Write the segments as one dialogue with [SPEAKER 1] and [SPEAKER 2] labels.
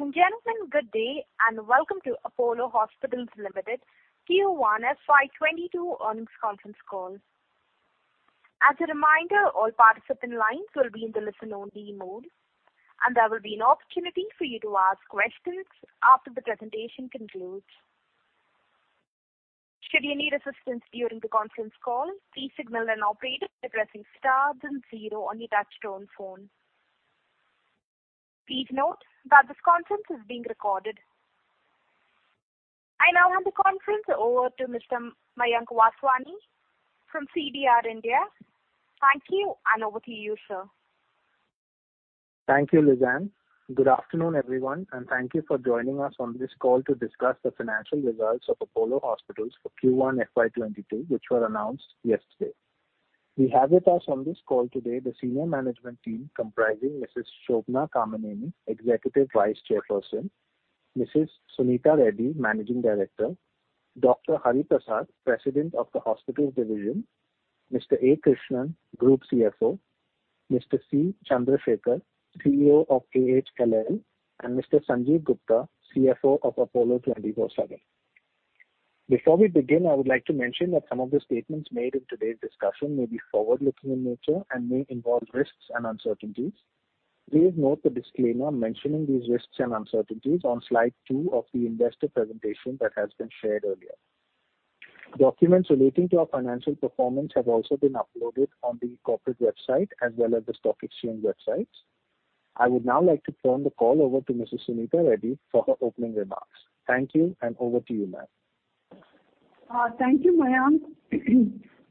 [SPEAKER 1] Ladies and gentlemen, good day and welcome to Apollo Hospitals Limited Q1 FY 2022 earnings conference call. As a reminder, all participant lines will be in the listen-only mode, and there will be an opportunity for you to ask questions after the presentation concludes. Should you need assistance during the conference call, please signal an operator by pressing star then zero on your touch-tone phone. Please note that this conference is being recorded. I now hand the conference over to Mr. Mayank Vaswani from CDR India. Thank you, and over to you, sir.
[SPEAKER 2] Thank you, Lizann. Good afternoon, everyone, and thank you for joining us on this call to discuss the financial results of Apollo Hospitals for Q1 FY 2022, which were announced yesterday. We have with us on this call today the senior management team comprising Mrs. Shobana Kamineni, Executive Vice Chairperson; Mrs. Suneeta Reddy, Managing Director; Dr. Hari Prasad, President of the Hospitals Division; Mr. A. Krishnan, Group CFO; Mr. C. Chandra Sekhar, CEO of AHLL, and Mr. Sanjiv Gupta, CFO of Apollo 24|7. Before we begin, I would like to mention that some of the statements made in today's discussion may be forward-looking in nature and may involve risks and uncertainties. Please note the disclaimer mentioning these risks and uncertainties on slide two of the investor presentation that has been shared earlier. Documents relating to our financial performance have also been uploaded on the corporate website as well as the stock exchange websites. I would now like to turn the call over to Mrs. Suneeta Reddy for her opening remarks. Thank you. Over to you, ma'am.
[SPEAKER 3] Thank you, Mayank.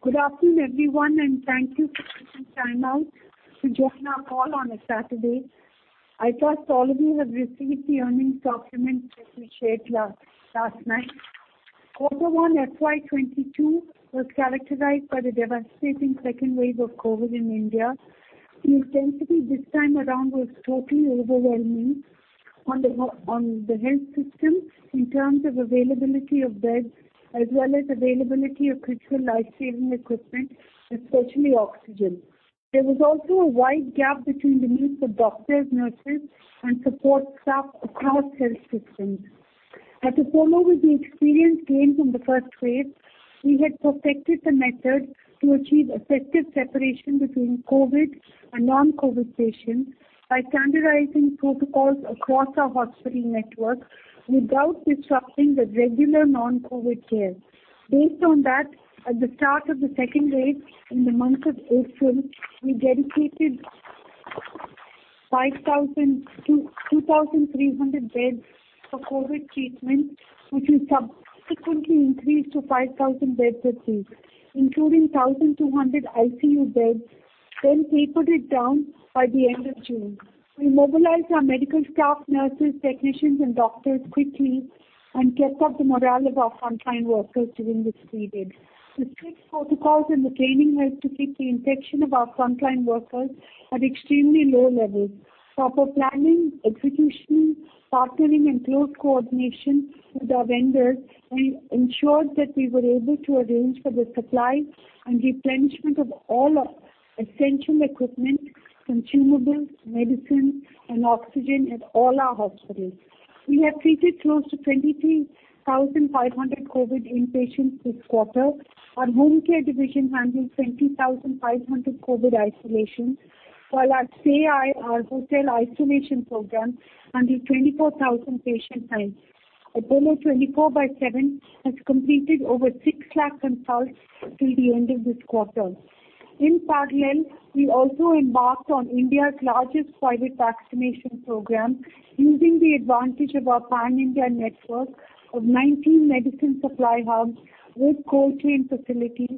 [SPEAKER 3] Good afternoon, everyone, and thank you for taking time out to join our call on a Saturday. I trust all of you have received the earnings document that we shared last night. Q1 FY 2022 was characterized by the devastating second wave of COVID in India. The intensity this time around was totally overwhelming on the health system in terms of availability of beds as well as availability of critical life-saving equipment, especially oxygen. There was also a wide gap between the needs of doctors, nurses, and support staff across health systems. At Apollo, with the experience gained from the first wave, we had perfected the method to achieve effective separation between COVID and non-COVID patients by standardizing protocols across our hospital network without disrupting the regular non-COVID care. Based on that, at the start of the second wave in the month of April, we dedicated 2,300 beds for COVID treatment, which we subsequently increased to 5,000 beds a day, including 1,200 ICU beds, then tapered it down by the end of June. We mobilized our medical staff, nurses, technicians, and doctors quickly and kept up the morale of our frontline workers during this period. The strict protocols and the training helped to keep the infection of our frontline workers at extremely low levels. Proper planning, execution, partnering, and close coordination with our vendors ensured that we were able to arrange for the supply and replenishment of all essential equipment, consumables, medicine, and oxygen at all our hospitals. We have treated close to 23,500 COVID inpatients this quarter. Our Home Care division handled 20,500 COVID isolations, while at Project Stay I, our hotel isolation program, handled 24,000 patient nights. Apollo 24|7 has completed over 6 lakh consults till the end of this quarter. In parallel, we also embarked on India's largest private vaccination program using the advantage of our pan-India network of 19 medicine supply hubs with cold chain facilities,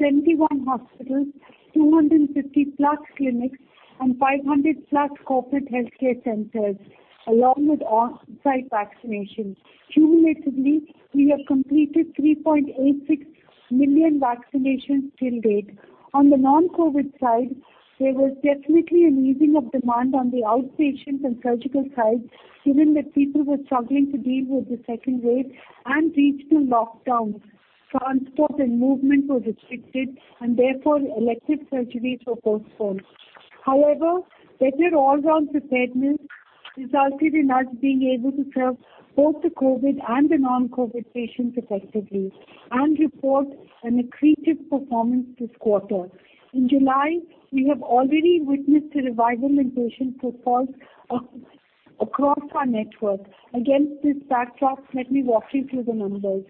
[SPEAKER 3] 71 hospitals, 250+ clinics, and 500+ corporate healthcare centers, along with on-site vaccinations. Cumulatively, we have completed 3.86 million vaccinations till date. On the non-COVID side, there was definitely an easing of demand on the outpatient and surgical sides, given that people were struggling to deal with the second wave and regional lockdowns. Transport and movement were restricted, and therefore elective surgeries were postponed. However, better all-round preparedness resulted in us being able to serve both the COVID and the non-COVID patients effectively and report an accretive performance this quarter. In July, we have already witnessed a revival in patient footfalls across our network. Against this backdrop, let me walk you through the numbers.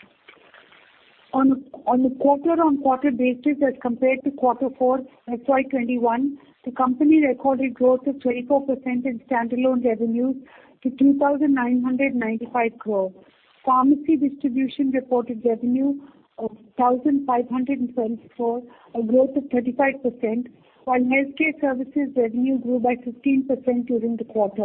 [SPEAKER 3] On a quarter-on-quarter basis as compared to Q4 FY 2021, the company recorded growth of 24% in standalone revenues to 2,995 crore. Pharmacy distribution reported revenue of 1,574, a growth of 35%, while healthcare services revenue grew by 15% during the quarter.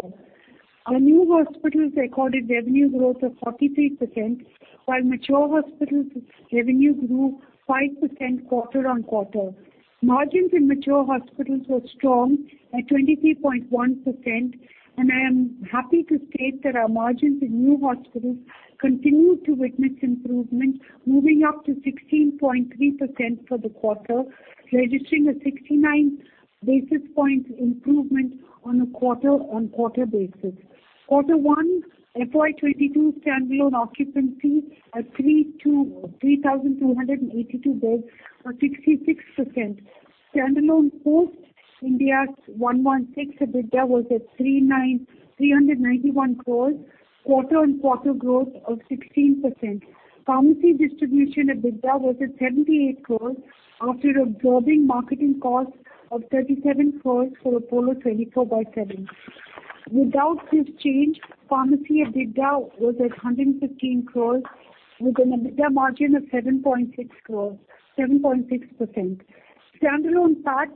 [SPEAKER 3] Our new hospitals recorded revenue growth of 43%, while mature hospitals revenue grew 5% quarter-on-quarter. Margins in mature hospitals were strong at 23.1%, and I am happy to state that our margins in new hospitals continue to witness improvement, moving up to 16.3% for the quarter, registering a 69 basis point improvement on a quarter-on-quarter basis. Q1 FY 2022 standalone occupancy at 3,282 beds was 66%. Standalone Ind AS 116 EBITDA was at 391 crores, quarter-on-quarter growth of 16%. Pharmacy distribution EBITDA was at 78 crores after absorbing marketing costs of 37 crores for Apollo 24|7. Without this change, pharmacy EBITDA was at 115 crores with an EBITDA margin of 7.6%. Standalone PAT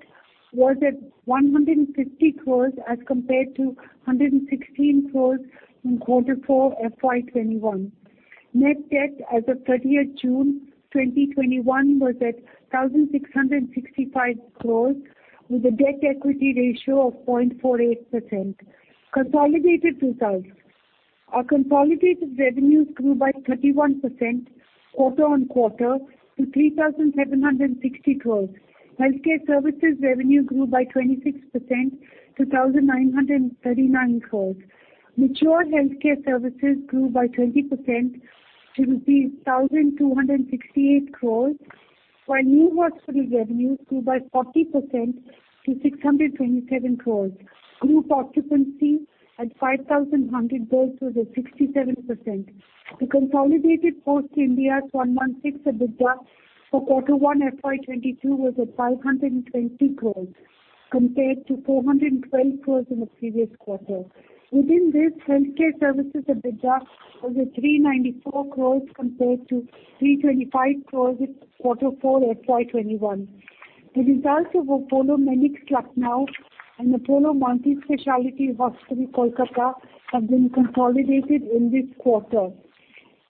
[SPEAKER 3] was at 150 crores as compared to 116 crores in quarter four FY 2021. Net debt as of 30th June 2021 was at 1,665 crores with a debt equity ratio of 0.48%. Consolidated results. Our consolidated revenues grew by 31% quarter-on-quarter to 3,760 crores. Healthcare services revenue grew by 26% to 1,939 crores. Mature healthcare services grew by 20% to rupees 1,268 crores, while new hospital revenue grew by 40% to 627 crores. Group occupancy at 5,100 beds was at 67%. The consolidated IND AS 116 EBITDA for quarter one FY 2022 was at 520 crores compared to 412 crores in the previous quarter. Within this, healthcare services EBITDA was at 394 crores compared to 325 crores in quarter four FY 2021. The results of Apollomedics Lucknow and Apollo Multispeciality Hospitals, Kolkata have been consolidated in this quarter.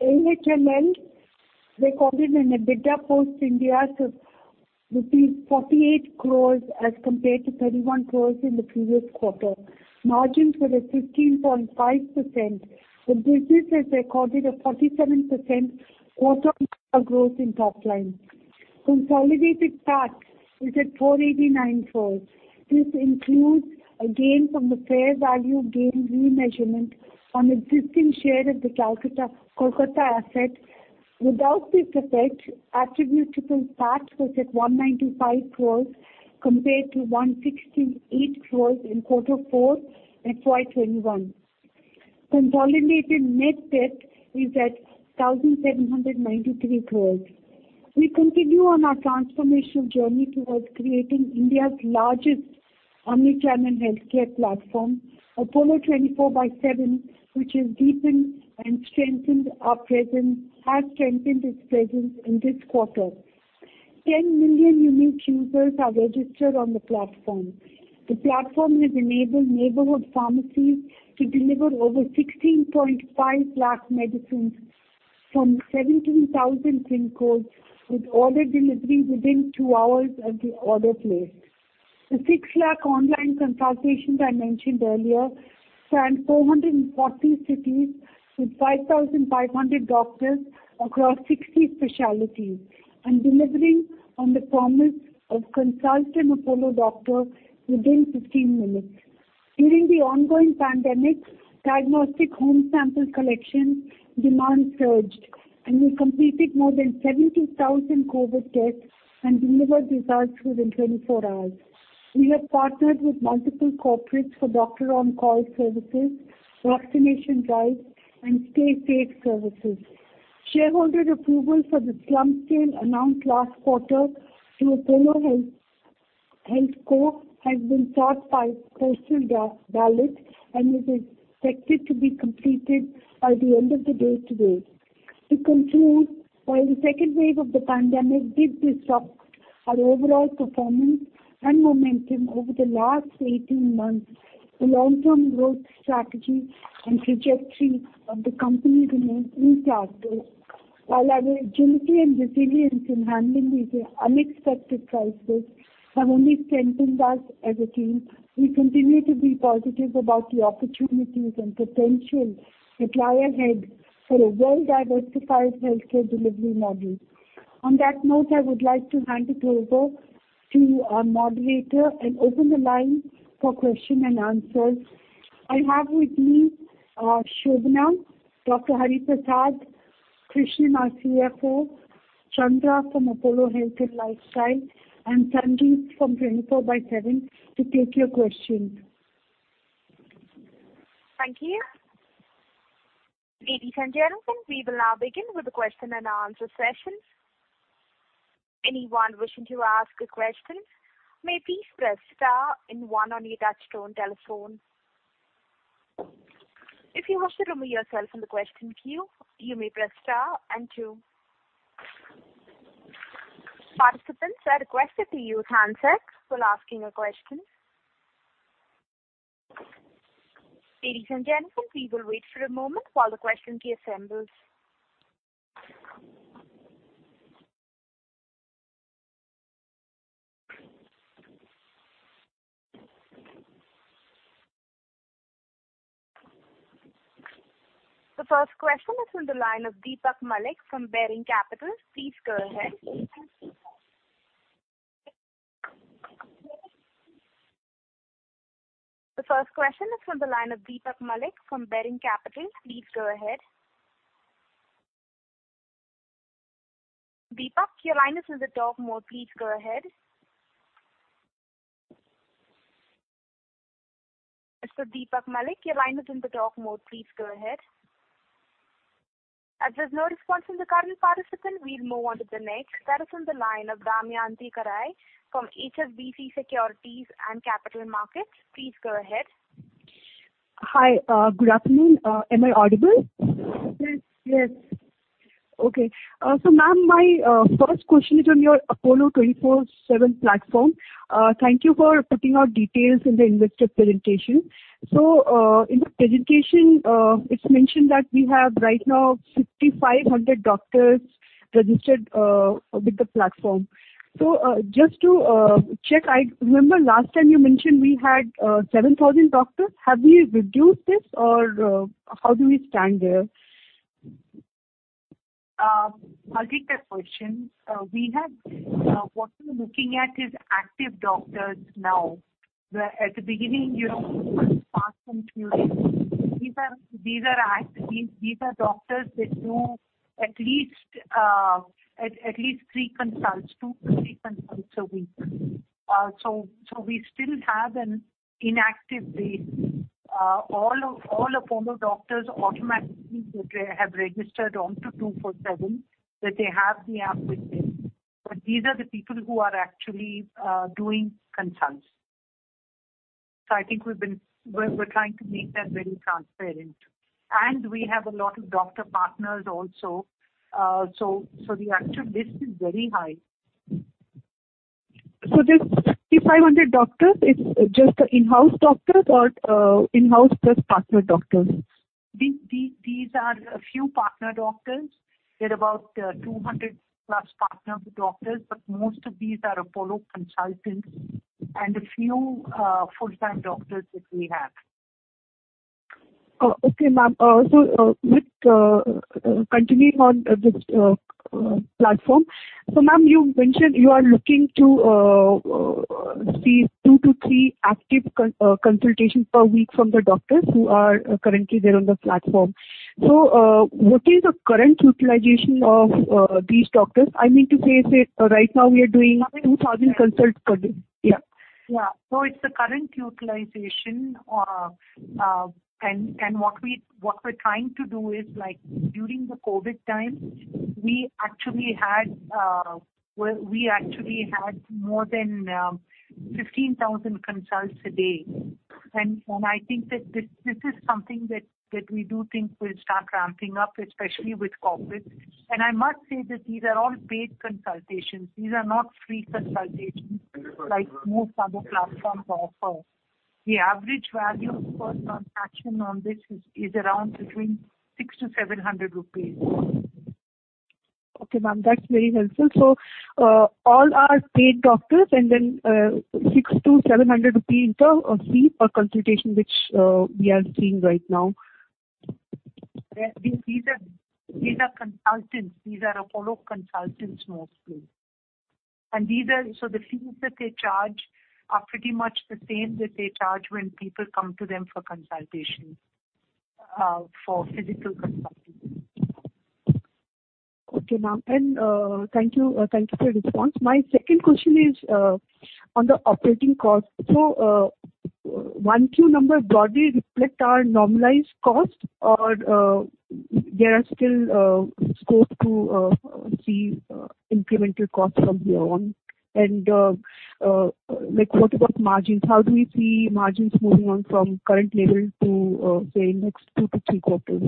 [SPEAKER 3] AMHL recorded an EBITDA post Ind AS 116 of 48 crores as compared to 31 crores in the previous quarter. Margins were at 15.5%. The business has recorded a 47% quarter-on-quarter growth in top line. Consolidated PAT is at 489 crores. This includes a gain from the fair value gain remeasurement on existing share of the Kolkata asset. Without this effect, attributable PAT was at 195 crores compared to 168 crores in Q4 FY 2021. Consolidated net debt is at 1,793 crores. We continue on our transformational journey towards creating India's largest omni-channel healthcare platform, Apollo 24|7, which has deepened and strengthened its presence in this quarter. 10 million unique users are registered on the platform. The platform has enabled neighborhood pharmacies to deliver over 16.5 lakh medicines from 17,000 pin codes, with order delivery within two hours of the order placed. The 6 lakh online consultations I mentioned earlier span 440 cities with 5,500 doctors across 60 specialties and delivering on the promise of consult an Apollo doctor within 15 minutes. During the ongoing pandemic, diagnostic home sample collection demand surged, and we completed more than 70,000 COVID tests and delivered results within 24 hours. We have partnered with multiple corporates for doctor on-call services, vaccination drives, and stay safe services. Shareholder approval for the slump sale announced last quarter to Apollo HealthCo has been sought by postal ballot and is expected to be completed by the end of the day today. To conclude, while the second wave of the pandemic did disrupt our overall performance and momentum over the last 18 months, the long-term growth strategy and trajectory of the company remains intact. While our agility and resilience in handling these unexpected crises have only strengthened us as a team, we continue to be positive about the opportunities and potential that lie ahead for a well-diversified healthcare delivery model. On that note, I would like to hand it over to our moderator and open the line for question and answers. I have with me Shobana, Dr. Hari Prasad, Krishnan, our CFO, Chandra from Apollo Health and Lifestyle Limited, and Sanjiv from Apollo 24|7 to take your questions.
[SPEAKER 1] Thank you. Ladies and gentlemen, we will now begin with the question and answer session. Anyone wishing to ask a question may please press star and one on your touchtone telephone. If you wish to remove yourself from the question queue, you may press star and two. Participants are requested to use handsets while asking a question. Ladies and gentlemen, we will wait for a moment while the question queue assembles. The first question is on the line of Deepak Malik from Baring Capital. Please go ahead. The first question is on the line of Deepak Malik from Baring Capital. Please go ahead. Deepak, your line is in the talk mode. Please go ahead. Mr. Deepak Malik, your line is in the talk mode. Please go ahead. As there's no response from the current participant, we'll move on to the next. That is on the line of Damayanti Kerai from HSBC Securities and Capital Markets. Please go ahead.
[SPEAKER 4] Hi. Good afternoon. Am I audible?
[SPEAKER 1] Yes.
[SPEAKER 4] Ma'am, my first question is on your Apollo 24|7 platform. Thank you for putting out details in the investor presentation. In the presentation, it's mentioned that we have right now 5,500 doctors registered with the platform. Just to check, I remember last time you mentioned we had 7,000 doctors. Have we reduced this or how do we stand there?
[SPEAKER 3] I'll take that question. What we're looking at is active doctors now. Where at the beginning, we would pass them through. These are doctors that do at least two to three consults a week. We still have an inactive base. All Apollo doctors automatically have registered onto Apollo 24|7, that they have the app with them. These are the people who are actually doing consults. I think we're trying to make that very transparent. We have a lot of doctor partners also. The actual list is very high.
[SPEAKER 4] These 5,500 doctors, it's just in-house doctors or in-house plus partner doctors?
[SPEAKER 3] These are a few partner doctors. We have about 200+ partner doctors, but most of these are Apollo consultants and a few full-time doctors that we have.
[SPEAKER 4] Okay, ma'am. Continuing on this platform. Ma'am, you mentioned you are looking to see two to three active consultations per week from the doctors who are currently there on the platform. What is the current utilization of these doctors? I mean to say, right now we are doing 2,000 consults per day.
[SPEAKER 3] It's the current utilization. What we're trying to do is, during the COVID time, we actually had more than 15,000 consults a day. I think that this is something that we do think will start ramping up, especially with corporate. I must say that these are all paid consultations. These are not free consultations like most other platforms offer. The average value per transaction on this is around between 600-700 rupees.
[SPEAKER 4] Okay, ma'am. That's very helpful. All are paid doctors and then 600-700 rupees is the fee per consultation which we are seeing right now.
[SPEAKER 3] These are consultants. These are Apollo consultants mostly. The fees that they charge are pretty much the same that they charge when people come to them for consultation, for physical consultation.
[SPEAKER 4] Okay, ma'am. Thank you for your response. My second question is on the operating cost. 1Q numbers broadly reflect our normalized cost or there are still scope to see incremental costs from here on? What about margins? How do we see margins moving on from current level to, say, in the next two to three quarters?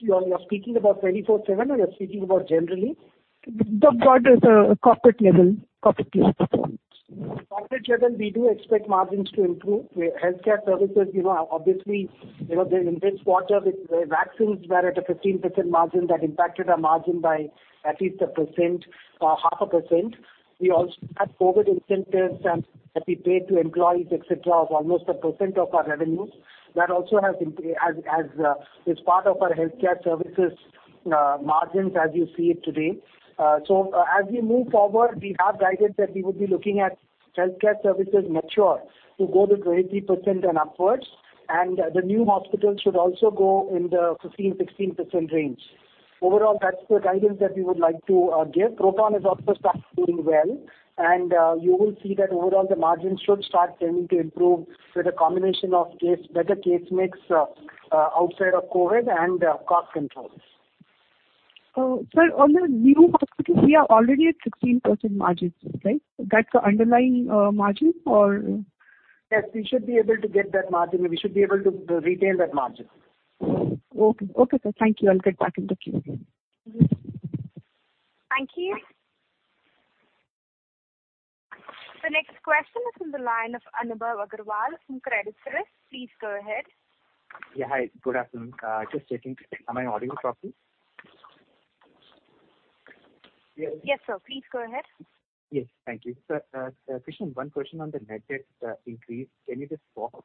[SPEAKER 5] You're speaking about 24|7 or you're speaking about generally?
[SPEAKER 4] Just broadly as a corporate level.
[SPEAKER 5] Corporate level, we do expect margins to improve. Healthcare services, obviously, in this quarter with vaccines were at a 15% margin that impacted our margin by at least a % or half a percent. We also had COVID incentives that we paid to employees, et cetera, of almost a percent of our revenues. That also is part of our healthcare services margins as you see it today. As we move forward, we have guided that we would be looking at healthcare services mature to go to 23% and upwards, and the new hospitals should also go in the 15%-16% range. Overall, that's the guidance that we would like to give. Proton has also started doing well, and you will see that overall the margins should start tending to improve with a combination of better case mix outside of COVID and cost controls.
[SPEAKER 4] Sir, on the new hospitals, we are already at 16% margins, right? That's the underlying margin?
[SPEAKER 5] Yes, we should be able to get that margin. We should be able to retain that margin.
[SPEAKER 4] Okay, sir. Thank you. I'll get back into queue again.
[SPEAKER 1] Thank you. The next question is on the line of Anubhav Agarwal from Credit Suisse. Please go ahead.
[SPEAKER 6] Yeah. Hi, good afternoon. Just checking. Am I audible properly?
[SPEAKER 1] Yes, sir. Please go ahead.
[SPEAKER 6] Yes. Thank you. Krishnan, one question on the net debt increase. Can you just walk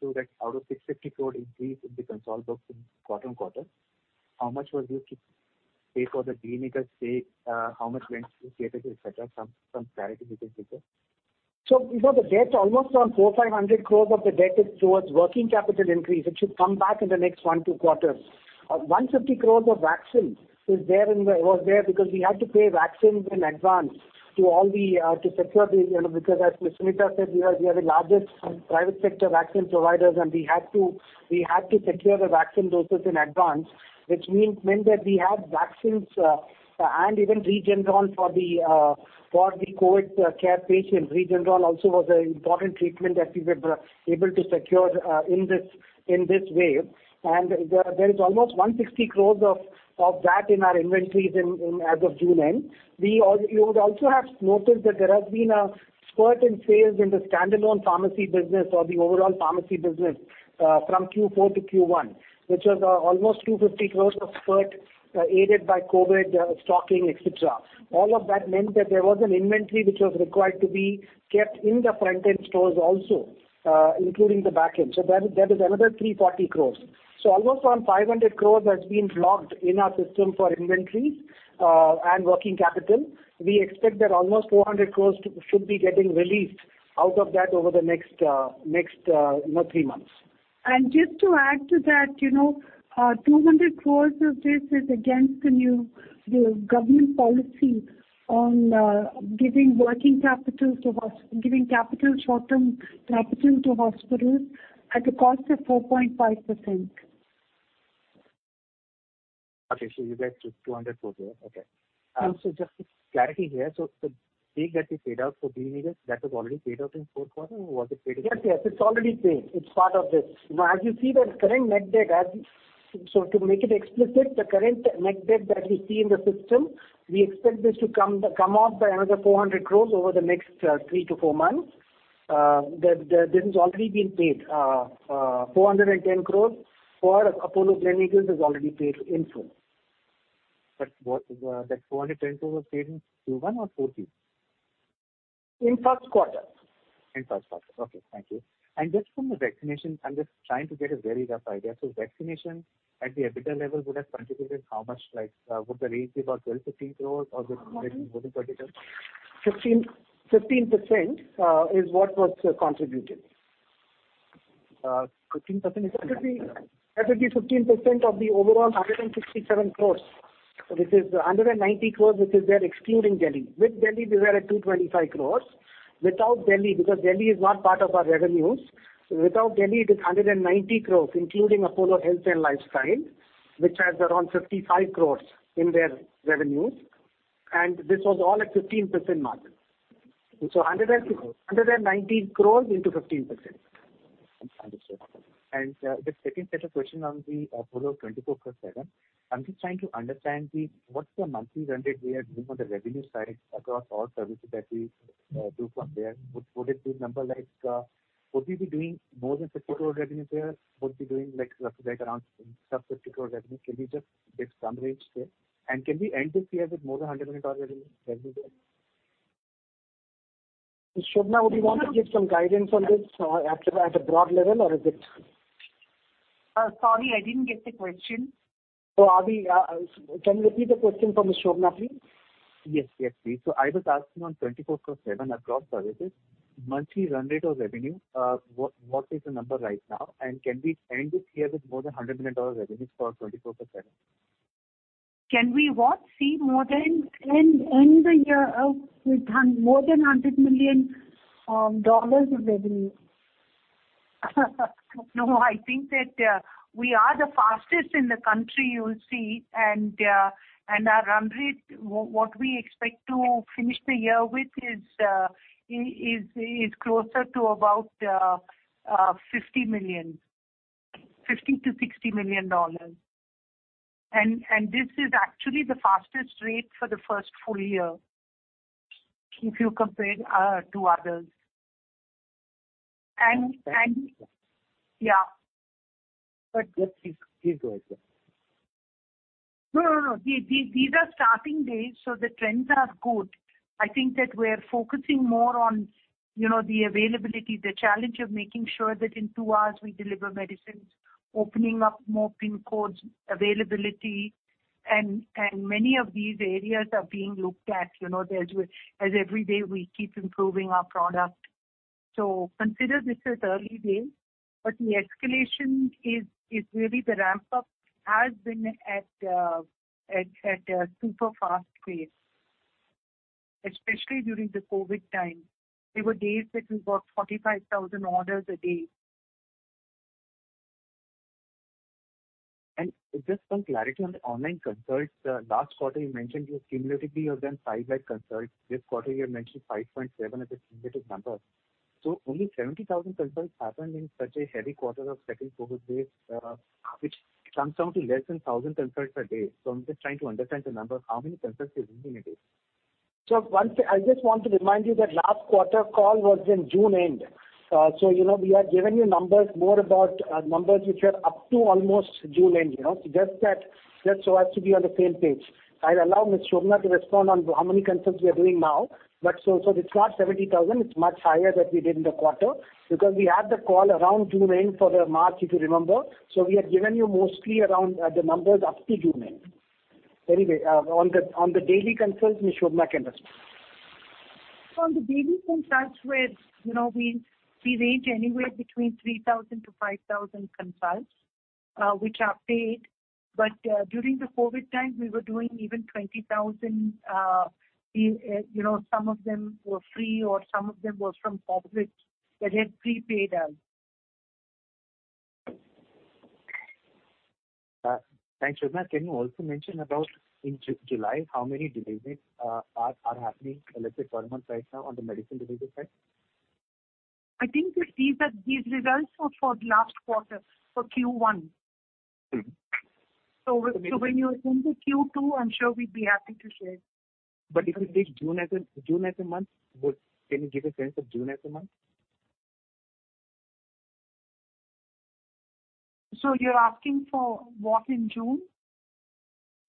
[SPEAKER 6] through that out of 650 crore increase in the consolidated quarter-on-quarter, how much was used to pay for the Gleneagles stake, how much went to capital, et cetera? Some clarity you can give there.
[SPEAKER 5] The debt, almost around 400 crores-500 crores of the debt is towards working capital increase, which should come back in the next one, two quarters. 150 crores of vaccine was there because we had to pay vaccines in advance to secure the. Because as Ms. Suneeta said, we are the largest private sector vaccine providers, and we had to secure the vaccine doses in advance, which meant that we had vaccines and even REGEN-COV for the COVID care patients. REGEN-COV also was an important treatment that we were able to secure in this wave. There is almost 160 crores of that in our inventories as of June end. You would also have noticed that there has been a spurt in sales in the standalone pharmacy business or the overall pharmacy business from Q4 to Q1, which was almost 250 crores of spurt, aided by COVID stocking, et cetera. All of that meant that there was an inventory which was required to be kept in the front-end stores also, including the back end. That is another 340 crores. Almost around 500 crores has been locked in our system for inventories and working capital. We expect that almost 400 crores should be getting released out of that over the next three months.
[SPEAKER 3] Just to add to that, 200 crores of this is against the new government policy on giving short-term capital to hospitals at a cost of 4.5%.
[SPEAKER 6] You get 200 crores there. Also, just clarity here. The stake that you paid out for Gleneagles, that was already paid out in fourth quarter, or was it paid-
[SPEAKER 5] Yes, it's already paid. It's part of this. To make it explicit, the current net debt that we see in the system, we expect this to come off by another 400 crores over the next three to four months. This has already been paid. 410 crores for Apollo Gleneagles is already paid in full.
[SPEAKER 6] That 410 crores was paid in Q1 or Q4?
[SPEAKER 5] In first quarter.
[SPEAKER 6] In first quarter. Okay, thank you. Just from the vaccination, I'm just trying to get a very rough idea. Vaccination at the EBITDA level would have contributed how much? Would the range be about 12 crore-15 crore or wouldn't contribute at all?
[SPEAKER 5] 15% is what was contributed.
[SPEAKER 6] 15%.
[SPEAKER 5] That would be 15% of the overall 167 crores. This is 190 crores, which is there excluding Delhi. With Delhi, we were at 225 crores. Without Delhi, because Delhi is not part of our revenues, it is 190 crores, including Apollo Health and Lifestyle, which has around 55 crores in their revenues. This was all at 15% margin. 119 crores into 15%.
[SPEAKER 6] Understood. The second set of question on the Apollo 24|7, I am just trying to understand what is the monthly run rate we are doing on the revenue side across all services that we do from there. Would it be number like we be doing more than 50 crore revenue there? Would we be doing right around 70 crore-50 crore revenue? Can we just get some range there? Can we end this year with more than $100 million revenue there?
[SPEAKER 5] Shobana, would you want to give some guidance on this at a broad level or is it?
[SPEAKER 7] Sorry, I didn't get the question.
[SPEAKER 5] Anubhav, can you repeat the question for Shobana, please?
[SPEAKER 6] Yes, please. I was asking on 24|7 across services, monthly run rate of revenue, what is the number right now? Can we end this year with more than $100 million revenues for 24|7?
[SPEAKER 7] Can we what?
[SPEAKER 3] End the year with more than $100 million of revenue.
[SPEAKER 7] No, I think that we are the fastest in the country, you'll see. Our run rate, what we expect to finish the year with is closer to about $50 million, $50 million-$60 million. This is actually the fastest rate for the first full year if you compare to others.
[SPEAKER 6] Okay.
[SPEAKER 7] Yeah.
[SPEAKER 6] Just keep going.
[SPEAKER 7] No, these are starting days, so the trends are good. I think that we're focusing more on the availability, the challenge of making sure that in two hours we deliver medicines, opening up more pin codes, availability, and many of these areas are being looked at as every day we keep improving our product. Consider this as early days, but the escalation is really the ramp-up has been at a super fast pace, especially during the COVID time. There were days that we got 45,000 orders a day.
[SPEAKER 6] Just some clarity on the online consult. Last quarter you mentioned you have cumulatively have done 5 lakh consults. This quarter you have mentioned 5.7 lakh as a cumulative number. Only 70,000 consults happened in such a heavy quarter of second COVID wave, which comes down to less than 1,000 consults a day. I'm just trying to understand the number, how many consults you're doing in a day?
[SPEAKER 5] One thing, I just want to remind you that last quarter call was in June end. We are giving you numbers, more about numbers which are up to almost June end. Just so as to be on the same page. I'll allow Ms. Shobana to respond on how many consults we are doing now. It's not 70,000. It's much higher that we did in the quarter because we had the call around June end for the March, if you remember. We have given you mostly around the numbers up to June end. On the daily consults, Ms. Shobana can respond.
[SPEAKER 7] On the daily consults, we range anywhere between 3,000-5,000 consults, which are paid. During the COVID time, we were doing even 20,000. Some of them were free or some of them was from corporate that had pre-paid us.
[SPEAKER 6] Thanks, Shobana. Can you also mention about in July, how many deliveries are happening, let's say, per month right now on the medicine delivery side?
[SPEAKER 7] I think these results were for the last quarter, for Q1. When you're in the Q2, I'm sure we'd be happy to share.
[SPEAKER 6] If you take June as a month, can you give a sense of June as a month?
[SPEAKER 3] You're asking for what in June?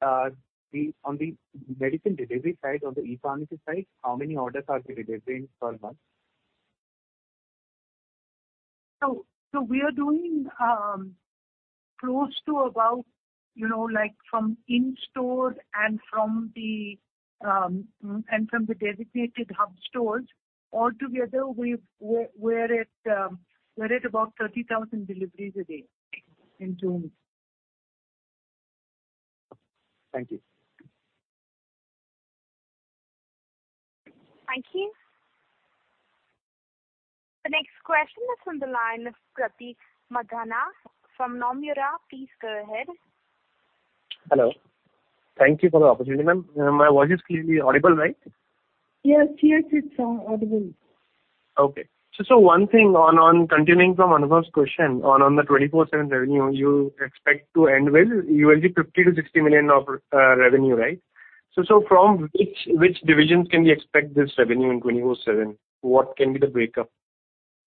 [SPEAKER 6] On the medicine delivery side, on the e-pharmacy side, how many orders are you delivering per month?
[SPEAKER 3] We are doing close to about, from in store and from the designated hub stores, all together we're at about 30,000 deliveries a day in June.
[SPEAKER 6] Thank you.
[SPEAKER 1] Thank you. The next question is on the line of Prateek Mandhana from Nomura. Please go ahead.
[SPEAKER 8] Hello. Thank you for the opportunity, ma'am. My voice is clearly audible, right?
[SPEAKER 3] Yes. It's audible.
[SPEAKER 8] Okay. One thing on continuing from Anubhav's question on the Apollo 24|7 revenue you expect to end with $50 million-$60 million of revenue, right? From which divisions can we expect this revenue in Apollo 24|7? What can be the breakup?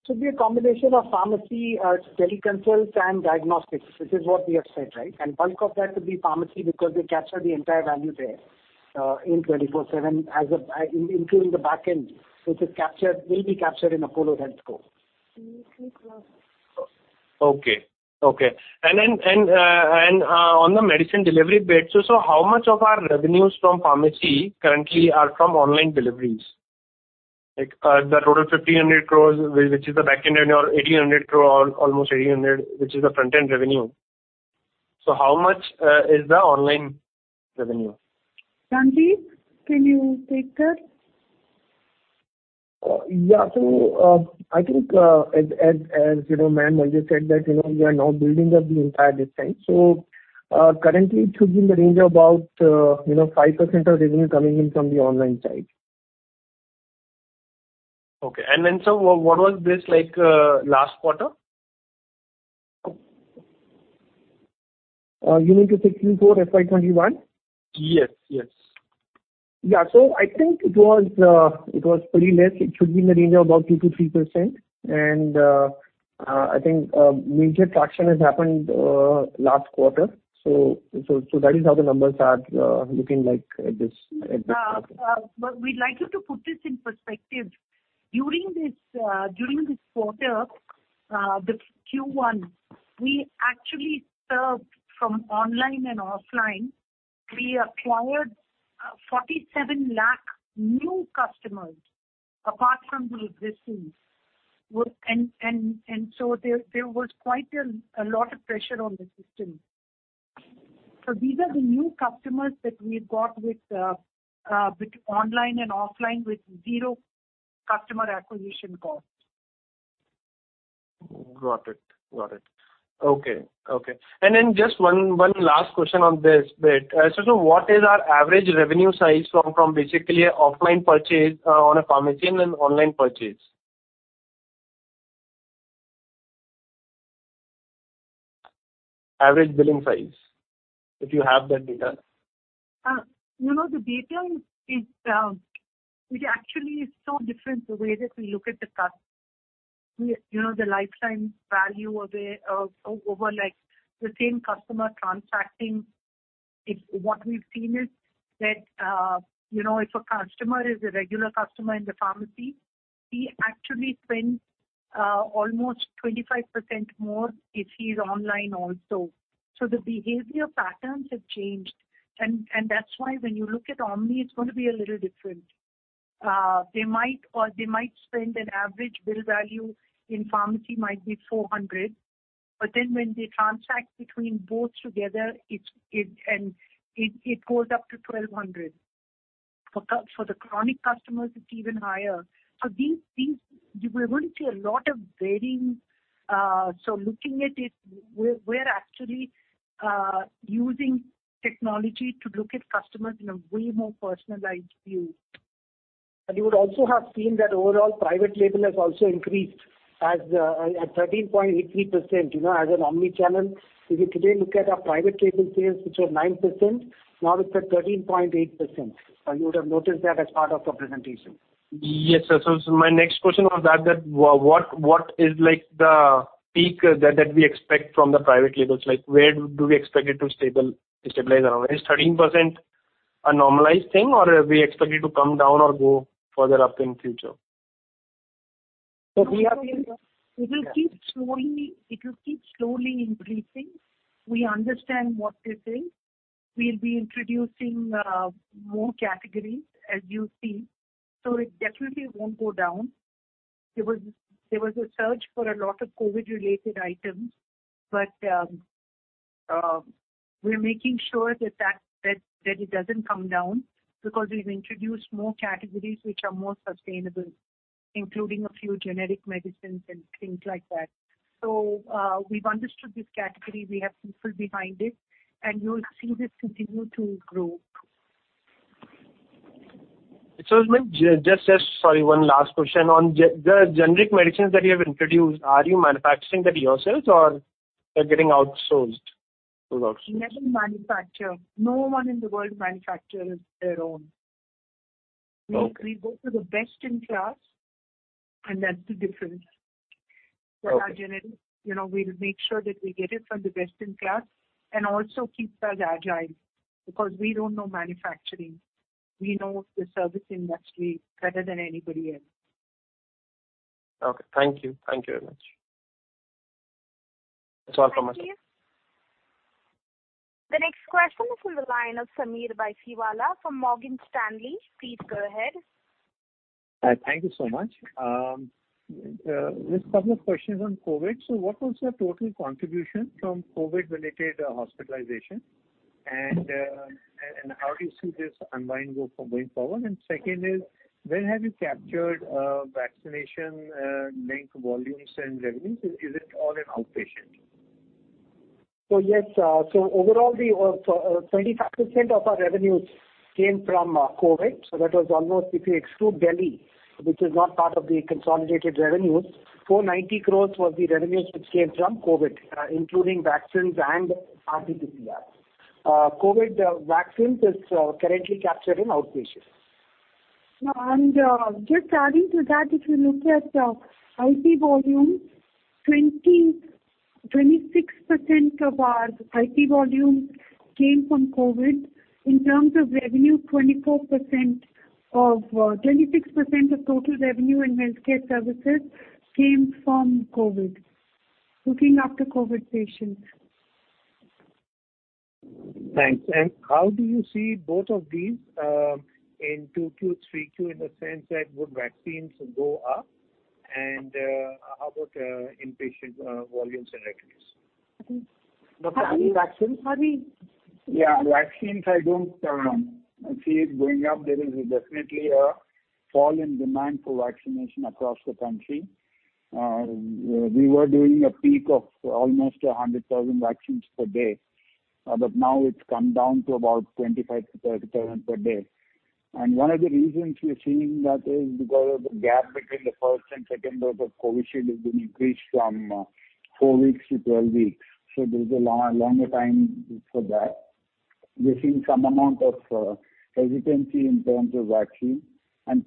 [SPEAKER 5] Should be a combination of pharmacy, teleconsults, and diagnostics. This is what we have said, right? Bulk of that could be pharmacy because they capture the entire value there in Apollo 24|7 including the back end, which will be captured in Apollo HealthCo.
[SPEAKER 3] Yes.
[SPEAKER 8] Okay. On the medicine delivery bit, how much of our revenues from pharmacy currently are from online deliveries? Like the total 1,500 crore, which is the back-end revenue or almost 1,800, which is the front-end revenue. How much is the online revenue?
[SPEAKER 3] Sanjiv, can you take that?
[SPEAKER 9] Yeah. I think as ma'am already said that we are now building up the entire distance. Currently it should be in the range of about 5% of revenue coming in from the online side.
[SPEAKER 8] Okay. What was this like last quarter?
[SPEAKER 9] You mean to say Q4 FY 2021?
[SPEAKER 8] Yes.
[SPEAKER 9] Yeah. I think it was pretty less. It should be in the range of about 2%-3%. I think major traction has happened last quarter. That is how the numbers are looking like at this quarter.
[SPEAKER 7] We'd like you to put this in perspective. During this quarter, the Q1, we actually served from online and offline. We acquired 47 lakh new customers apart from the existing. There was quite a lot of pressure on the system. These are the new customers that we've got with online and offline with zero customer acquisition costs.
[SPEAKER 8] Got it. Okay. Just one last question on this bit. What is our average revenue size from basically an offline purchase on a pharmacy and an online purchase? Average billing size, if you have that data.
[SPEAKER 7] The data is actually so different the way that we look at the lifetime value of the same customer transacting. What we've seen is that if a customer is a regular customer in the pharmacy, he actually spends almost 25% more if he's online also. The behavior patterns have changed, and that's why when you look at omni, it's going to be a little different. They might spend an average bill value in pharmacy might be 400, but then when they transact between both together, it goes up to 1,200. For the chronic customers, it's even higher. We're going to see a lot of varying. Looking at it, we're actually using technology to look at customers in a way more personalized view.
[SPEAKER 5] You would also have seen that overall private label has also increased at 13.83%. As an omnichannel, if you today look at our private label sales, which were 9%, now it's at 13.8%, and you would have noticed that as part of the presentation.
[SPEAKER 8] Yes, sir. My next question was that, what is the peak that we expect from the private labels? Where do we expect it to stabilize around? Is 13% a normalized thing, or we expect it to come down or go further up in future?
[SPEAKER 7] It will keep slowly increasing. We understand what this is. We'll be introducing more categories, as you see. It definitely won't go down. There was a surge for a lot of COVID-related items, but we're making sure that it doesn't come down because we've introduced more categories which are more sustainable, including a few generic medicines and things like that. We've understood this category. We have people behind it, and you'll see this continue to grow.
[SPEAKER 8] Sorry, one last question. On the generic medicines that you have introduced, are you manufacturing that yourselves or they're getting outsourced?
[SPEAKER 7] We haven't manufactured. No one in the world manufactures their own.
[SPEAKER 8] Okay.
[SPEAKER 7] We go for the best-in-class, and that's the difference.
[SPEAKER 8] Okay.
[SPEAKER 7] For our generic, we'll make sure that we get it from the best-in-class and also keeps us agile because we don't know manufacturing. We know the service industry better than anybody else.
[SPEAKER 8] Okay. Thank you. Thank you very much. That is all from my side.
[SPEAKER 1] Thank you. The next question is from the line of Sameer Baisiwala from Morgan Stanley. Please go ahead.
[SPEAKER 10] Thank you so much. Just a couple of questions on COVID. What was your total contribution from COVID-related hospitalization, and how do you see this unwind going forward? Second is, where have you captured vaccination link volumes and revenues? Is it all in outpatient?
[SPEAKER 5] Yes. Overall, 25% of our revenues came from COVID. That was almost, if you exclude Delhi, which is not part of the consolidated revenues, 490 crores was the revenues which came from COVID, including vaccines and RT-PCR. COVID vaccines is currently captured in outpatient.
[SPEAKER 3] Just adding to that, if you look at IP volume, 26% of our IP volume came from COVID. In terms of revenue, 26% of total revenue in healthcare services came from COVID, looking after COVID patients.
[SPEAKER 10] Thanks. How do you see both of these in 2Q, 3Q in the sense that would vaccines go up? How about inpatient volumes and revenues?
[SPEAKER 5] Dr. Hari.
[SPEAKER 11] Vaccines have been- Yeah, vaccines, I don't see it going up. There is definitely a fall in demand for vaccination across the country. We were doing a peak of almost 100,000 vaccines per day, but now it's come down to about 25,000 to 30,000 per day. One of the reasons we're seeing that is because of the gap between the first and second dose of COVISHIELD has been increased from four weeks to 12 weeks. There's a longer time for that. We're seeing some amount of hesitancy in terms of vaccine.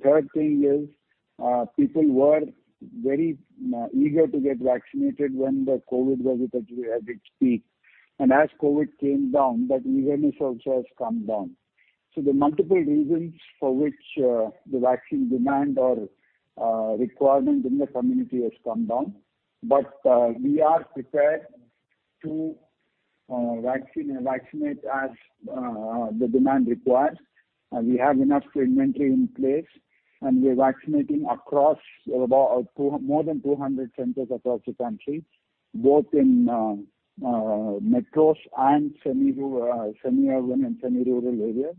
[SPEAKER 11] Third thing is, people were very eager to get vaccinated when the COVID was at its peak. As COVID came down, that eagerness also has come down. There are multiple reasons for which the vaccine demand or requirement in the community has come down. We are prepared to vaccinate as the demand requires, and we have enough inventory in place, and we are vaccinating across more than 200 centers across the country, both in metros and semi-urban and semi-rural areas.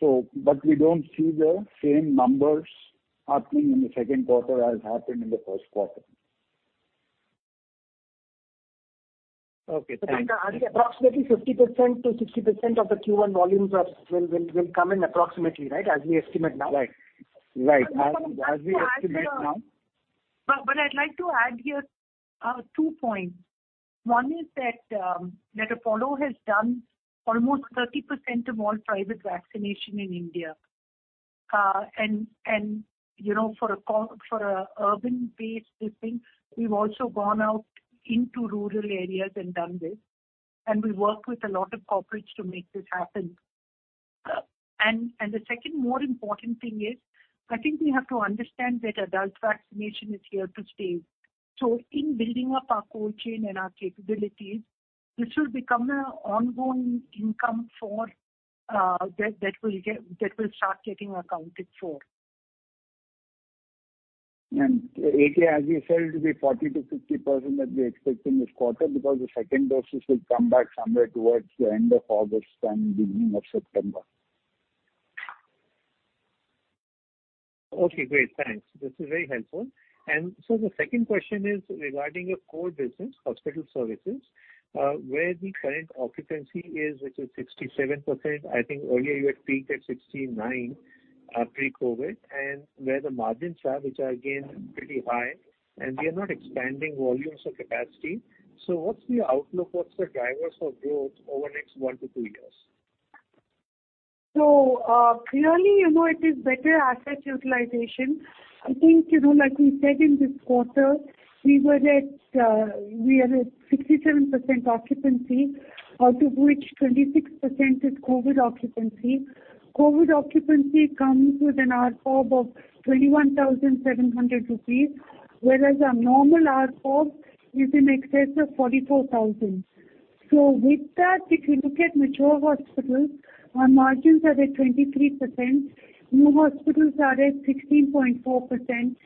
[SPEAKER 11] We don't see the same numbers happening in the second quarter as happened in the first quarter.
[SPEAKER 10] Okay. Thank you.
[SPEAKER 5] Approximately 50%-60% of the Q1 volumes will come in approximately, right? As we estimate now.
[SPEAKER 11] Right. As we estimate now.
[SPEAKER 7] I'd like to add here two points. One is that Apollo has done almost 30% of all private vaccination in India. For an urban base, this thing, we've also gone out into rural areas and done this, and we work with a lot of corporates to make this happen. The second more important thing is, I think we have to understand that adult vaccination is here to stay. In building up our cold chain and our capabilities, this will become an ongoing income that will start getting accounted for.
[SPEAKER 11] AK, as you said, it will be 40%-50% that we're expecting this quarter because the second doses will come back somewhere towards the end of August and beginning of September.
[SPEAKER 10] Okay, great. Thanks. This is very helpful. The second question is regarding your core business, hospital services, where the current occupancy is, which is 67%. I think earlier you had peaked at 69% pre-COVID, and where the margins are, which are again pretty high, and we are not expanding volumes or capacity. What's the outlook? What's the drivers for growth over the next one to two years?
[SPEAKER 3] Clearly, it is better asset utilization. I think, like we said in this quarter, we are at 67% occupancy, out of which 26% is COVID occupancy. COVID occupancy comes with an ARPOB of 21,700 rupees, whereas our normal ARPOB is in excess of 44,000. With that, if you look at mature hospitals, our margins are at 23%. New hospitals are at 16.4%.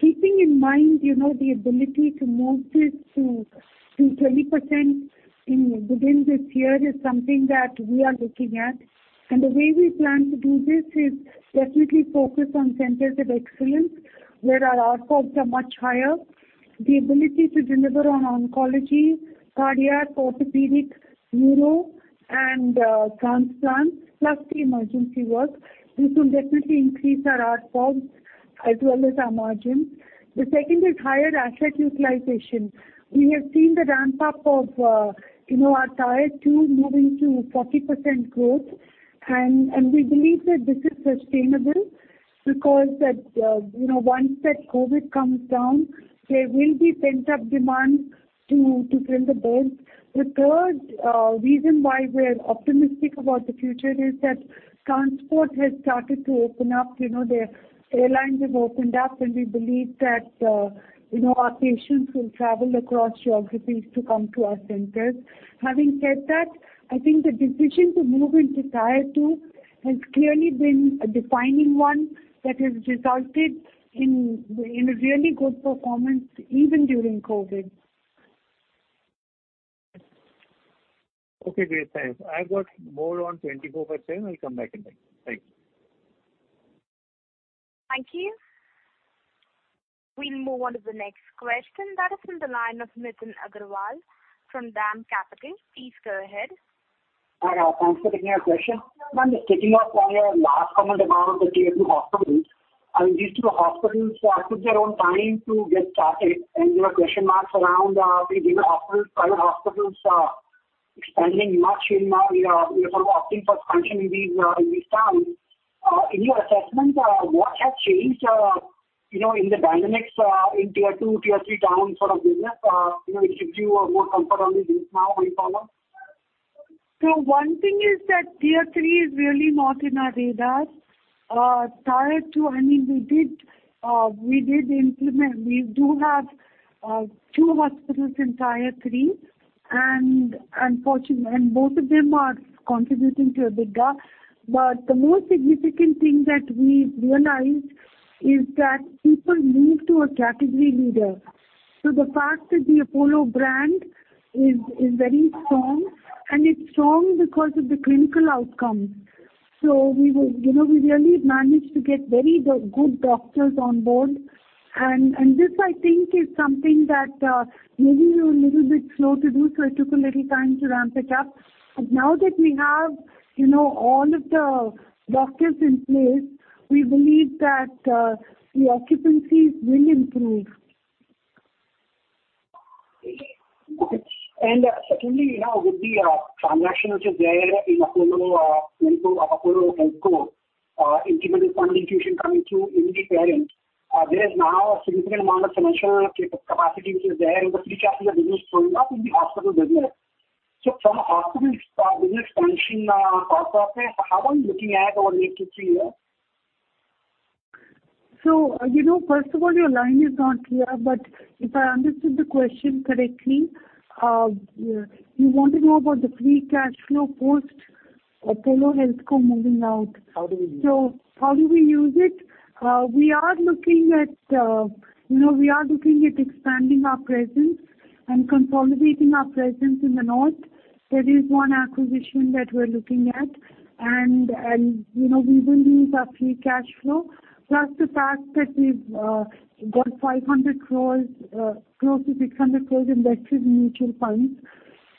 [SPEAKER 3] Keeping in mind the ability to move this to 20% within this year is something that we are looking at. The way we plan to do this is definitely focus on centers of excellence where our ARPOB are much higher. The ability to deliver on oncology, cardiac, orthopedic, neuro, and transplants, plus the emergency work. This will definitely increase our ARPOBs as well as our margins. The second is higher asset utilization. We have seen the ramp-up of our tier 2 moving to 40% growth. We believe that this is sustainable because once that COVID comes down, there will be pent-up demand to fill the beds. The third reason why we're optimistic about the future is that transport has started to open up. The airlines have opened up, and we believe that our patients will travel across geographies to come to our centers. Having said that, I think the decision to move into tier 2 has clearly been a defining one that has resulted in a really good performance, even during COVID.
[SPEAKER 10] Okay, great. Thanks. I've got more on Apollo 24|7. I'll come back in line. Thank you.
[SPEAKER 1] Thank you. We'll move on to the next question. That is from the line of Nitin Agarwal from DAM Capital. Please go ahead.
[SPEAKER 12] Hi. Thanks for taking our question. Ma'am, just picking up on your last comment about the tier 2 hospitals. I mean, these two hospitals took their own time to get started, and there were question marks around these other private hospitals expanding much in what we are sort of opting for expansion in these times. In your assessment, what has changed in the dynamics in tier 2, tier 3 towns for the business? It gives you more comfort on the risk now going forward.
[SPEAKER 3] One thing is that tier 3 is really not in our radar. tier 2, we did implement. We do have two hospitals in tier 3, and both of them are contributing to EBITDA. The most significant thing that we've realized is that people move to a category leader. The fact that the Apollo brand is very strong, and it's strong because of the clinical outcomes. We really managed to get very good doctors on board, and this I think is something that maybe we were a little bit slow to do, so it took a little time to ramp it up. Now that we have all of the doctors in place, we believe that the occupancies will improve.
[SPEAKER 12] Okay. And secondly, with the transaction which is there in Apollo HealthCo, incremental fund infusion coming through in the parent, there is now a significant amount of financial capacity which is there with the free cash flow building up in the hospital business. From a hospital business expansion perspective, how are you looking at over the next three years?
[SPEAKER 3] First of all, your line is not clear, but if I understood the question correctly, you want to know about the free cash flow post Apollo HealthCo moving out.
[SPEAKER 12] How do we use it?
[SPEAKER 3] How do we use it? We are looking at expanding our presence and consolidating our presence in the North. That is one acquisition that we're looking at. We will use our free cash flow, plus the fact that we've got close to 500 crore invested in mutual funds.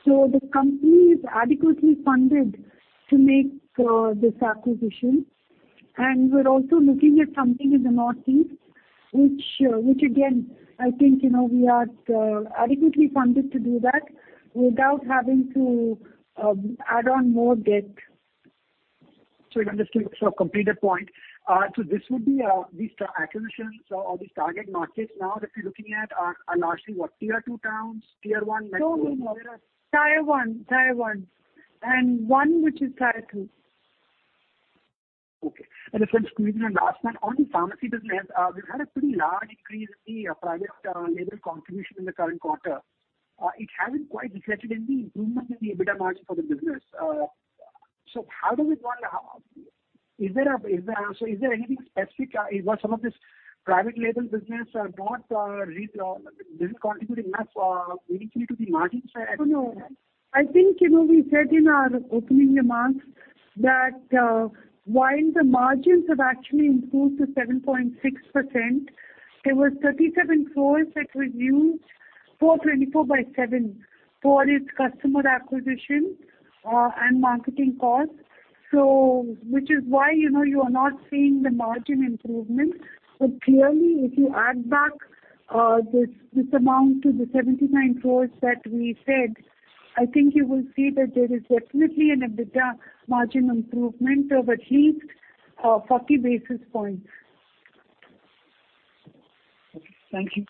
[SPEAKER 3] The company is adequately funded to make this acquisition. We're also looking at something in the Northeast, which again, I think we are adequately funded to do that without having to add on more debt.
[SPEAKER 12] Sorry to interrupt you. To complete that point. These acquisitions or these target markets now that you're looking at are largely what, tier 2 towns, tier 1 metro?
[SPEAKER 3] No. tier 1. One which is tier 2.
[SPEAKER 12] Okay. A quick squeeze in a last one. On the pharmacy business, we've had a pretty large increase in the private label contribution in the current quarter. It hasn't quite reflected in the improvement in the EBITDA margin for the business. How do we go on? Is there anything specific? Some of this private label business or not really contributing enough immediately to the margins?
[SPEAKER 3] No. I think we said in our opening remarks that while the margins have actually improved to 7.6%, there was 37 crores that was used for 24 by 7 for its customer acquisition and marketing costs. Which is why you are not seeing the margin improvements. Clearly, if you add back this amount to the 79 crores that we said, I think you will see that there is definitely an EBITDA margin improvement of at least 40 basis points.
[SPEAKER 12] Okay. Thank you.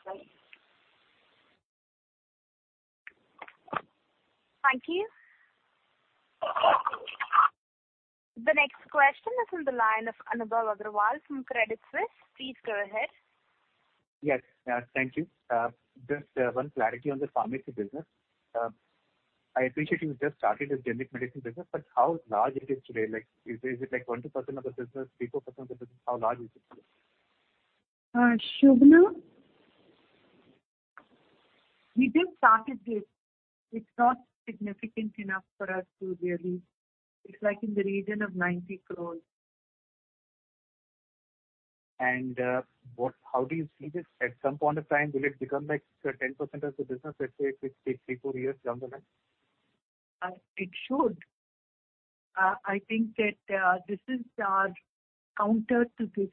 [SPEAKER 1] Thank you. The next question is on the line of Anubhav Agarwal from Credit Suisse. Please go ahead.
[SPEAKER 6] Yes. Thank you. Just one clarity on the pharmacy business. I appreciate you just started this generic medicine business, but how large it is today? Is it 1%-2% of the business, 3%-4% of the business? How large is it today?
[SPEAKER 7] Shobana, We just started this. It's not significant enough for us. It's like in the region of 90 crores.
[SPEAKER 6] How do you see this? At some point of time, will it become 10% of the business, let's say, if it takes three, four years down the line?
[SPEAKER 7] It should. I think that this is our counter to this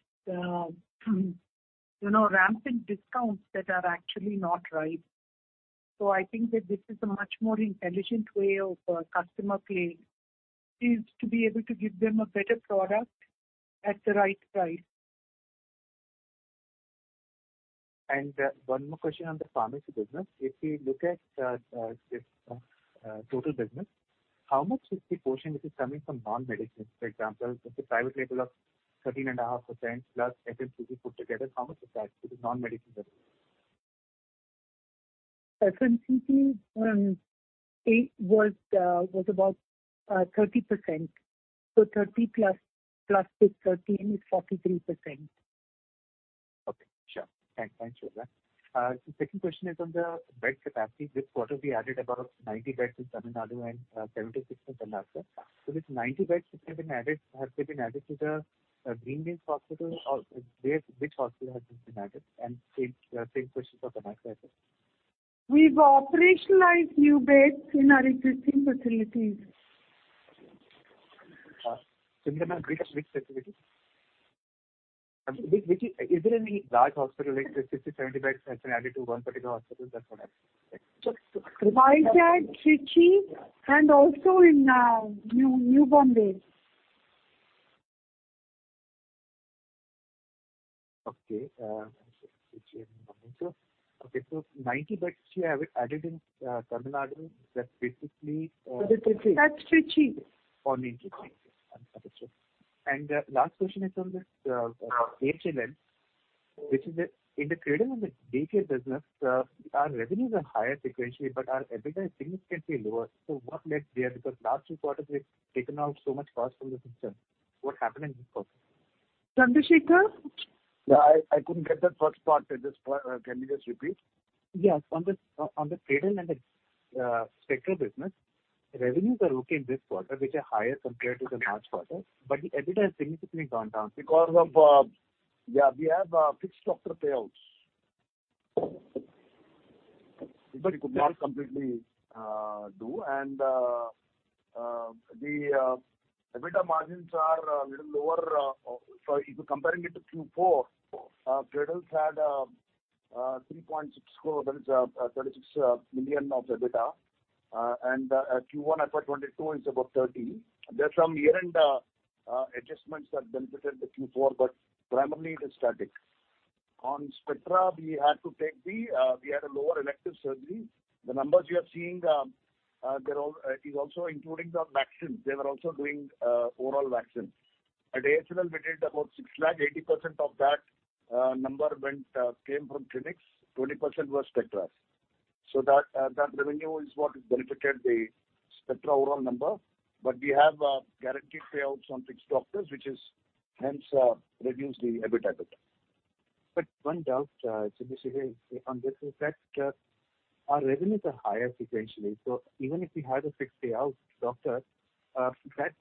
[SPEAKER 7] rampant discounts that are actually not right. I think that this is a much more intelligent way of customer play, is to be able to give them a better product at the right price.
[SPEAKER 6] One more question on the pharmacy business. If we look at this total business, how much is the portion which is coming from non-medicine? For example, the private label of 13.5% plus FMCG put together, how much is that to the non-medicine business?
[SPEAKER 7] FMCG was about 30%. 30 plus this 13 is 43%.
[SPEAKER 6] Okay. Sure. Thanks for that. The second question is on the bed capacity. This quarter we added about 90 beds in Tamil Nadu and 76 in Karnataka. These 90 beds which have been added, have they been added to the Greams Road Hospital or which hospital has this been added? Same question for Karnataka as well.
[SPEAKER 3] We've operationalized new beds in our existing facilities.
[SPEAKER 6] Which facilities? Is there any large hospital, like 60, 70 beds has been added to one particular hospital? That's what I'm asking.
[SPEAKER 3] Vizag, Trichy, and also in New Bombay.
[SPEAKER 6] Okay. 90 beds you have added in Tamil Nadu. Is that basically-
[SPEAKER 3] That's Trichy.
[SPEAKER 6] In Trichy. Understood. Last question is on the AHLL. In the Cradle and Spectra business, our revenues are higher sequentially, but our EBITDA is significantly lower. What led there? Because last two quarters we've taken out so much cost from the system. What happened in this quarter?
[SPEAKER 3] Chandra Sekhar?
[SPEAKER 13] Yeah, I couldn't get that first part. Can you just repeat?
[SPEAKER 6] Yes. On the Cradle and Spectra business, revenues are okay in this quarter, which are higher compared to the March quarter, but the EBITDA has significantly gone down.
[SPEAKER 13] We have fixed doctor payouts.
[SPEAKER 6] But-
[SPEAKER 13] We could not completely do. The EBITDA margins are little lower. If you're comparing it to Q4, Apollo Cradle had 3.6 crore, that is 36 million of EBITDA. Q1 at 22, it's above 30. There are some year-end adjustments that benefited the Q4, but primarily it is static. On Apollo Spectra, we had a lower elective surgery. The numbers you are seeing is also including the vaccines. They were also doing oral vaccines. At AHLL, we did about 6 lakh, 80% of that number came from clinics, 20% was Apollo Spectra. That revenue is what has benefited the Apollo Spectra overall number. We have guaranteed payouts on fixed doctors, which is hence reduced the EBITDA.
[SPEAKER 6] One doubt, Chandra Sekhar, on this is that our revenues are higher sequentially. Even if we had a fixed payout doctor, that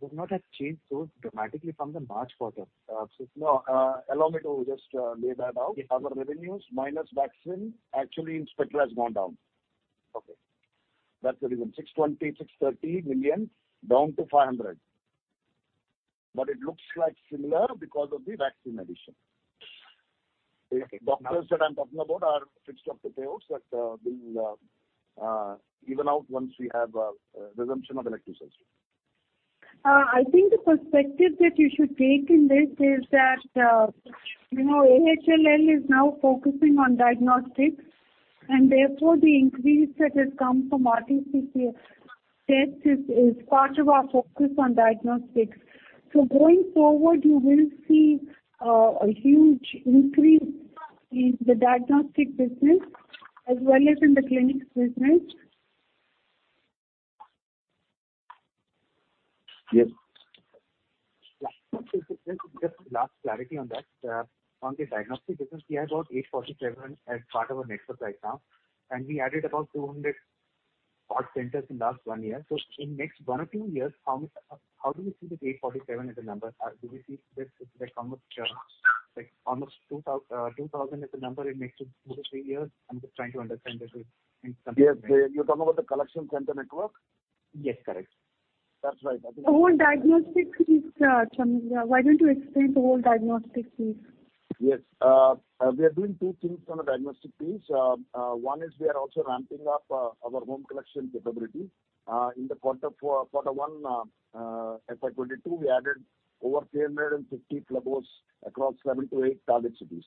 [SPEAKER 6] would not have changed so dramatically from the March quarter.
[SPEAKER 13] No. Allow me to just lay that out.
[SPEAKER 6] Yeah.
[SPEAKER 13] Our revenues minus vaccine, actually in Spectra has gone down.
[SPEAKER 6] Okay.
[SPEAKER 13] That's the reason. 620 million-630 million down to 500 million. It looks like similar because of the vaccine addition.
[SPEAKER 6] Okay.
[SPEAKER 13] Doctors that I'm talking about are fixed of the payouts that being even out once we have resumption of elective surgery.
[SPEAKER 3] I think the perspective that you should take in this is that AHLL is now focusing on diagnostics. Therefore, the increase that has come from RT-PCR test is part of our focus on diagnostics. Going forward, you will see a huge increase in the diagnostic business as well as in the clinics business.
[SPEAKER 13] Yes.
[SPEAKER 6] Just last clarity on that. On the diagnostic business, we have about 847 as part of our network right now, and we added about 200 odd centers in last one year. In next one or two years, how do we see that 847 as a number? Do we see this, like almost 2,000 as a number in next two to three years? I'm just trying to understand this.
[SPEAKER 13] Yes. You're talking about the collection center network?
[SPEAKER 6] Yes, correct.
[SPEAKER 13] That's right.
[SPEAKER 3] The whole diagnostic piece, Chand, why don't you explain the whole diagnostic piece?
[SPEAKER 13] Yes. We are doing two things on the diagnostic piece. One is we are also ramping up our home collection capability. In Q1 FY 2022, we added over 350 clubs across seven to eight target cities.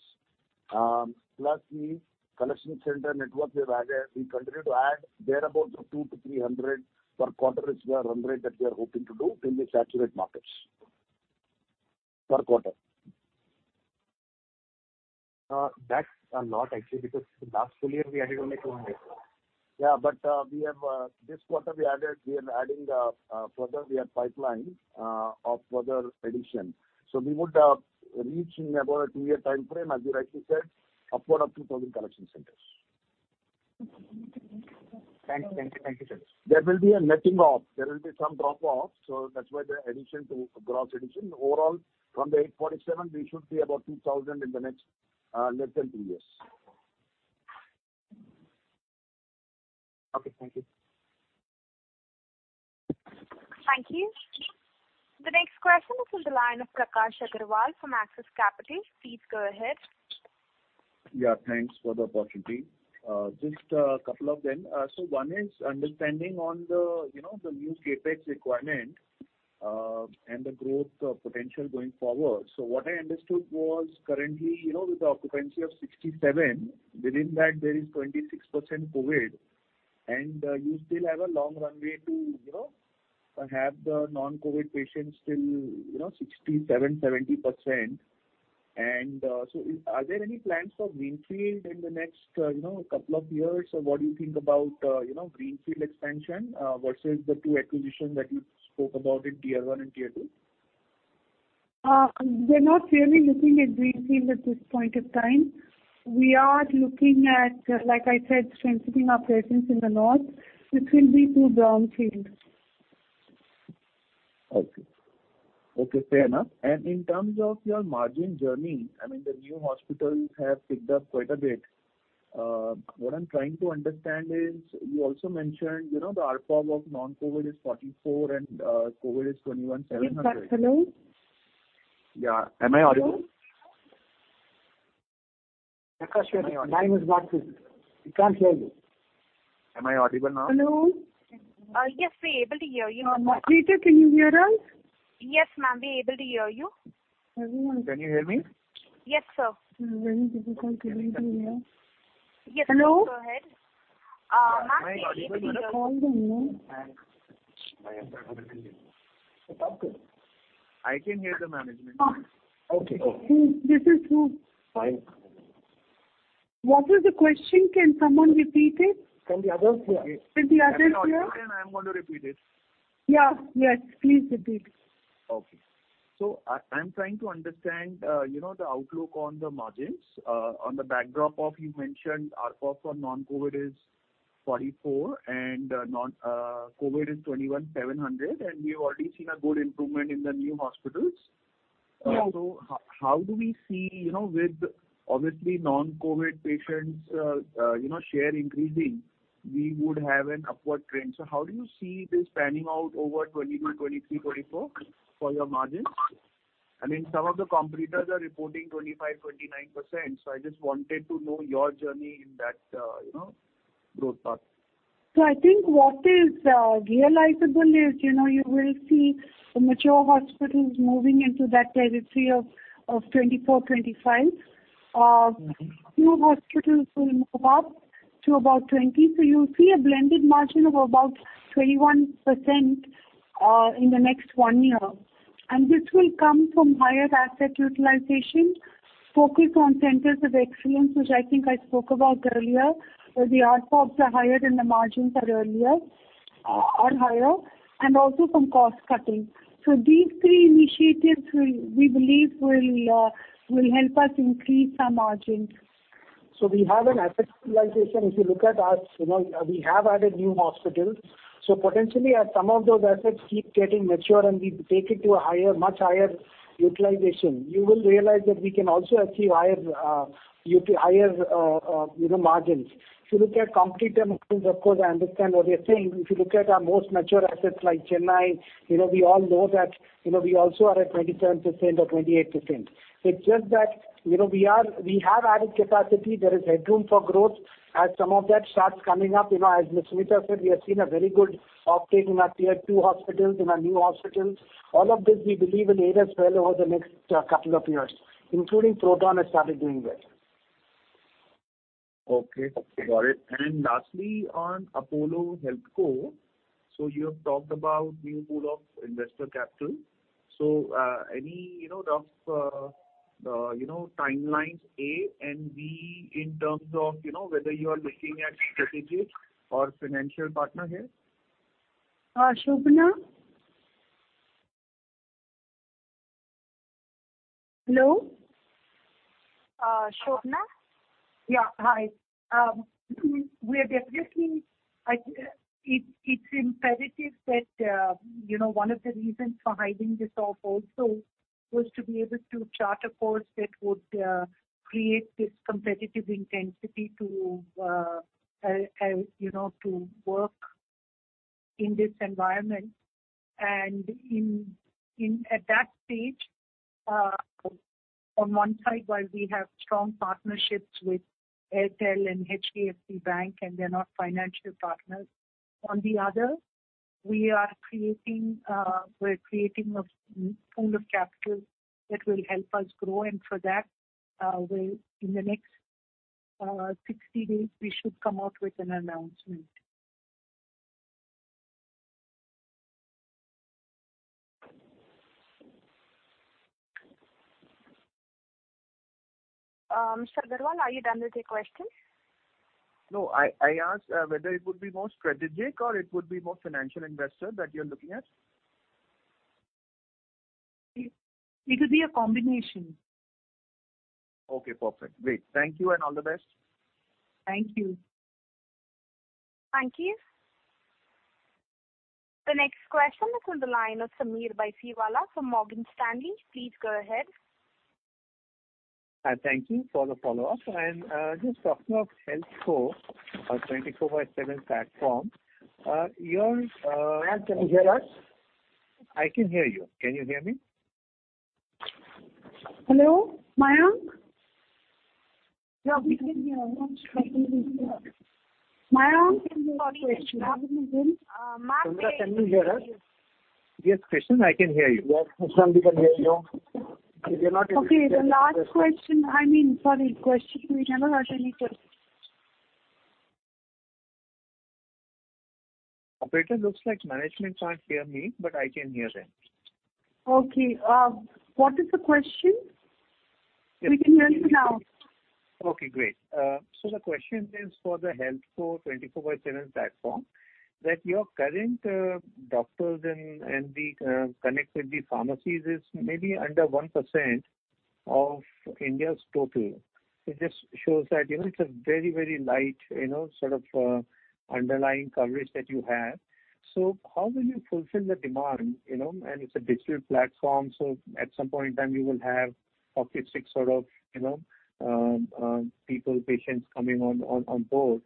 [SPEAKER 13] Plus, the collection center network we've added, we continue to add there about 200 to 300 per quarter is our run rate that we are hoping to do till we saturate markets. Per quarter.
[SPEAKER 6] That's a lot actually, because last full year we added only 200.
[SPEAKER 13] Yeah, this quarter we are adding further, we have pipeline of further addition. We would reach in about a two-year timeframe, as you rightly said, upward of 2,000 collection centers.
[SPEAKER 6] Thank you, sir.
[SPEAKER 13] There will be a netting off. There will be some drop off, so that's why the addition to gross addition. Overall, from the 847, we should be about 2,000 in the next less than two years.
[SPEAKER 6] Okay, thank you.
[SPEAKER 1] Thank you. The next question is on the line of Prakash Agarwal from Axis Capital. Please go ahead.
[SPEAKER 14] Yeah, thanks for the opportunity. Just a couple of them. One is understanding on the new CapEx requirement, and the growth potential going forward. What I understood was currently, with the occupancy of 67%, within that there is 26% COVID. You still have a long runway to have the non-COVID patients till 67%, 70%. Are there any plans for Greenfield in the next couple of years? Or what do you think about Greenfield expansion, versus the two acquisitions that you spoke about in tier 1 and tier 2?
[SPEAKER 3] We're not really looking at Greenfield at this point of time. We are looking at, like I said, strengthening our presence in the north, which will be through brownfield.
[SPEAKER 14] Okay. Fair enough. In terms of your margin journey, I mean, the new hospitals have picked up quite a bit. What I am trying to understand is you also mentioned, the ARPOB of non-COVID is 44 and COVID is 21,700.
[SPEAKER 3] Yes, sir. Hello?
[SPEAKER 14] Yeah. Am I audible?
[SPEAKER 13] Prakash, your line is not clear. We can't hear you.
[SPEAKER 14] Am I audible now?
[SPEAKER 3] Hello?
[SPEAKER 1] Yes, we're able to hear you now.
[SPEAKER 3] Lizann, can you hear us?
[SPEAKER 1] Yes, ma'am, we're able to hear you.
[SPEAKER 3] Everyone-
[SPEAKER 14] Can you hear me?
[SPEAKER 1] Yes, sir.
[SPEAKER 3] Very difficult to hear you.
[SPEAKER 1] Yes.
[SPEAKER 3] Hello?
[SPEAKER 1] Go ahead. Ma'am, we are able to hear you.
[SPEAKER 14] Am I audible now?
[SPEAKER 3] Call didn't come.
[SPEAKER 13] I am able to hear you.
[SPEAKER 6] It is okay.
[SPEAKER 14] I can hear the management.
[SPEAKER 11] Okay.
[SPEAKER 3] This is through.
[SPEAKER 14] Fine.
[SPEAKER 3] What was the question? Can someone repeat it?
[SPEAKER 5] Can the others hear?
[SPEAKER 3] Can the others hear?
[SPEAKER 14] Can you hear me? I am going to repeat it.
[SPEAKER 3] Yeah. Yes, please repeat.
[SPEAKER 14] Okay. I'm trying to understand the outlook on the margins, on the backdrop of you mentioned ARPOB for non-COVID is 44, and COVID is 21,700, and you've already seen a good improvement in the new hospitals.
[SPEAKER 3] Yeah.
[SPEAKER 14] How do we see with obviously non-COVID patients share increasing, we would have an upward trend. How do you see this panning out over 2022, 2023, 2024 for your margins? I mean, some of the competitors are reporting 25%-29%, so I just wanted to know your journey in that growth path.
[SPEAKER 3] I think what is realizable is you will see the mature hospitals moving into that territory of 24%-25%. New hospitals will move up to about 20%. You will see a blended margin of about 21% in the next one year. This will come from higher asset utilization, focus on centers of excellence, which I think I spoke about earlier, where the ARPOBs are higher and the margins are higher, and also from cost cutting. These three initiatives we believe will help us increase our margins.
[SPEAKER 5] We have an asset utilization. If you look at us, we have added new hospitals. Potentially as some of those assets keep getting mature and we take it to a much higher utilization, you will realize that we can also achieve higher margins. If you look at competitor margins, of course, I understand what you're saying. If you look at our most mature assets like Chennai, we all know that we also are at 27% or 28%. It's just that we have added capacity. There is headroom for growth. As some of that starts coming up, as Mrs. Suneeta Reddy said, we have seen a very good uptake in our tier 2 hospitals, in our new hospitals. All of this we believe will aid us well over the next couple of years. Including Proton has started doing well.
[SPEAKER 14] Okay, got it. Lastly, on Apollo HealthCo. You have talked about new pool of investor capital. Any rough timelines, A, and, B, in terms of whether you are looking at strategic or financial partner here?
[SPEAKER 3] Shobana? Hello? Shobana?
[SPEAKER 7] Yeah, hi. It's imperative that one of the reasons for hiving this off also was to be able to chart a course that would create this competitive intensity to work in this environment. At that stage, on one side while we have strong partnerships with Airtel and HDFC Bank, and they're not financial partners. On the other, we're creating a pool of capital that will help us grow. For that, in the next 60 days, we should come out with an announcement. Mr. Agarwal, are you done with your question?
[SPEAKER 14] No, I asked whether it would be more strategic or it would be more financial investor that you're looking at?
[SPEAKER 7] It will be a combination.
[SPEAKER 14] Okay, perfect. Great. Thank you and all the best.
[SPEAKER 7] Thank you.
[SPEAKER 1] Thank you. The next question is on the line of Sameer Baisiwala from Morgan Stanley. Please go ahead.
[SPEAKER 10] Thank you for the follow-up. Just talking of HealthCo, a 24|7 platform.
[SPEAKER 5] Sameer, can you hear us?
[SPEAKER 10] I can hear you. Can you hear me?
[SPEAKER 3] Hello, Sameer?
[SPEAKER 1] Yeah, we can hear. Sameer, can you hear the question?
[SPEAKER 5] Shobana, can you hear us?
[SPEAKER 10] Yes, Krishnan, I can hear you.
[SPEAKER 5] Yes, Shobana, we can hear you.
[SPEAKER 7] Okay. The last question. Sorry, question. We haven't got any question.
[SPEAKER 10] Operator, looks like management can't hear me, but I can hear them.
[SPEAKER 7] Okay. What is the question? We can hear you now.
[SPEAKER 10] Okay, great. The question is for the HealthCo 24|7 platform, that your current doctors and the connect with the pharmacies is maybe under 1% of India's total. It just shows that it's a very light sort of underlying coverage that you have. How will you fulfill the demand and it's a digital platform, at some point in time you will have Project Kavach sort of people, patients coming on board.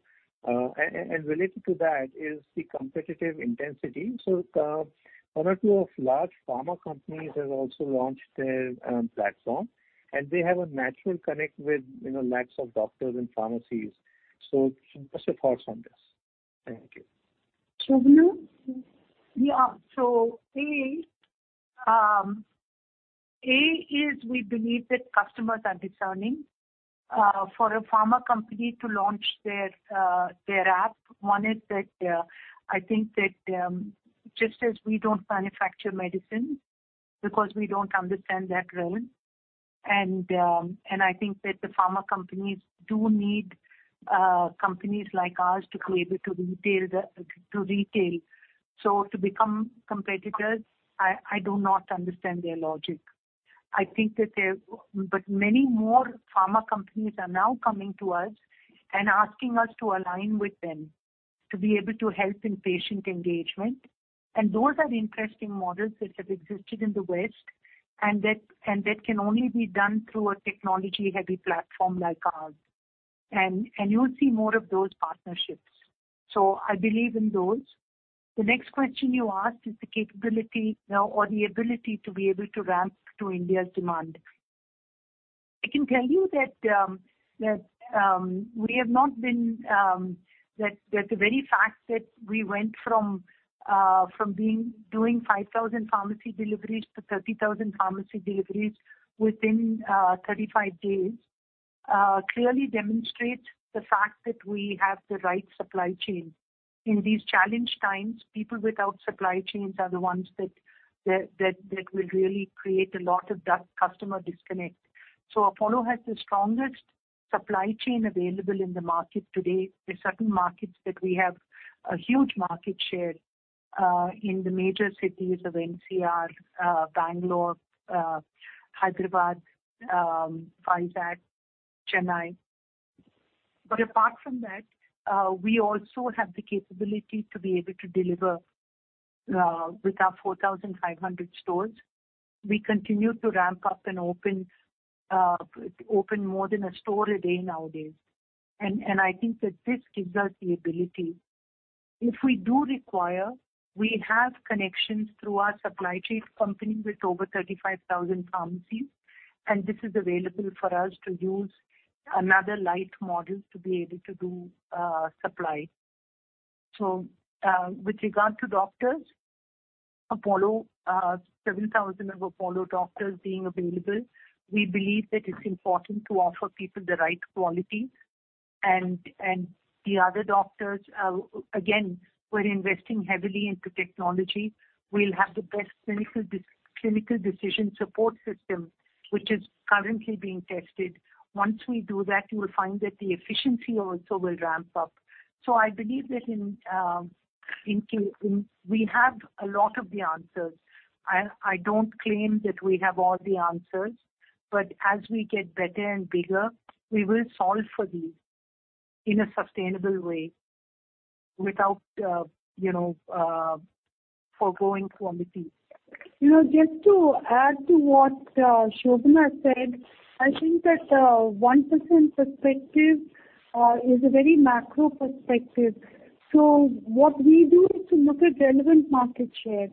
[SPEAKER 10] Related to that is the competitive intensity. One or two of large pharma companies have also launched their platform, and they have a natural connect with lakhs of doctors and pharmacies. Just your thoughts on this. Thank you.
[SPEAKER 3] Shobana?
[SPEAKER 7] Yes. Yeah. A, is we believe that customers are discerning. For a pharma company to launch their app, one is that I think that just as we don't manufacture medicine because we don't understand that realm. I think that the pharma companies do need companies like ours to be able to retail. To become competitors, I do not understand their logic. Many more pharma companies are now coming to us and asking us to align with them to be able to help in patient engagement. Those are interesting models that have existed in the West, and that can only be done through a technology-heavy platform like ours. You'll see more of those partnerships. I believe in those. The next question you asked is the capability or the ability to be able to ramp to India's demand. I can tell you that the very fact that we went from doing 5,000 pharmacy deliveries to 30,000 pharmacy deliveries within 35 days, clearly demonstrates the fact that we have the right supply chain. In these challenged times, people without supply chains are the ones that will really create a lot of that customer disconnect. Apollo has the strongest supply chain available in the market today. There are certain markets that we have a huge market share, in the major cities of NCR, Bangalore, Hyderabad, Vizag, Chennai. Apart from that, we also have the capability to be able to deliver with our 4,500 stores. We continue to ramp up and open more than a store a day nowadays. I think that this gives us the ability. If we do require, we have connections through our supply chain company with over 35,000 pharmacies, and this is available for us to use another light model to be able to do supply. With regard to doctors, 7,000 of Apollo doctors being available. We believe that it's important to offer people the right quality. The other doctors, again, we're investing heavily into technology. We'll have the best clinical decision support system, which is currently being tested. Once we do that, you will find that the efficiency also will ramp up. I believe that we have a lot of the answers. I don't claim that we have all the answers, but as we get better and bigger, we will solve for these in a sustainable way without forgoing quality.
[SPEAKER 3] Just to add to what Shobana said, I think that 1% perspective is a very macro perspective. What we do is to look at relevant market share.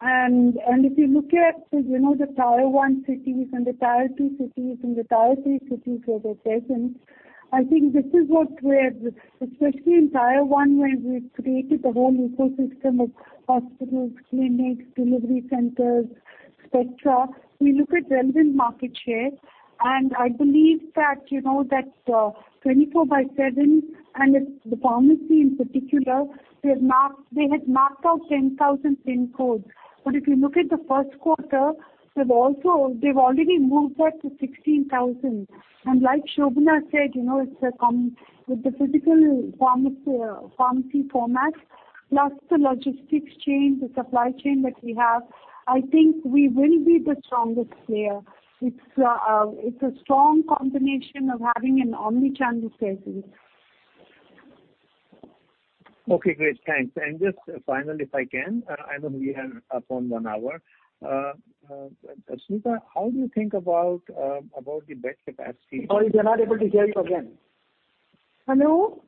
[SPEAKER 3] If you look at the tier 1 cities and the tier 2 cities and the tier 3 cities where we're present, I think this is what we're, especially in tier 1 where we've created a whole ecosystem of hospitals, clinics, delivery centers, et cetera. We look at relevant market share. I believe that 24|7 and the pharmacy in particular, they had mapped out 10,000 PIN codes. If you look at the first quarter, they've already moved that to 16,000. Like Shobana said, with the physical pharmacy format, plus the logistics chain, the supply chain that we have, I think we will be the strongest player. It's a strong combination of having an omni-channel presence.
[SPEAKER 10] Okay, great. Thanks. Just finally, if I can, I know we are up on one hour. Suneeta, how do you think about the bed capacity?
[SPEAKER 5] Sorry, we are not able to hear you again. Hello?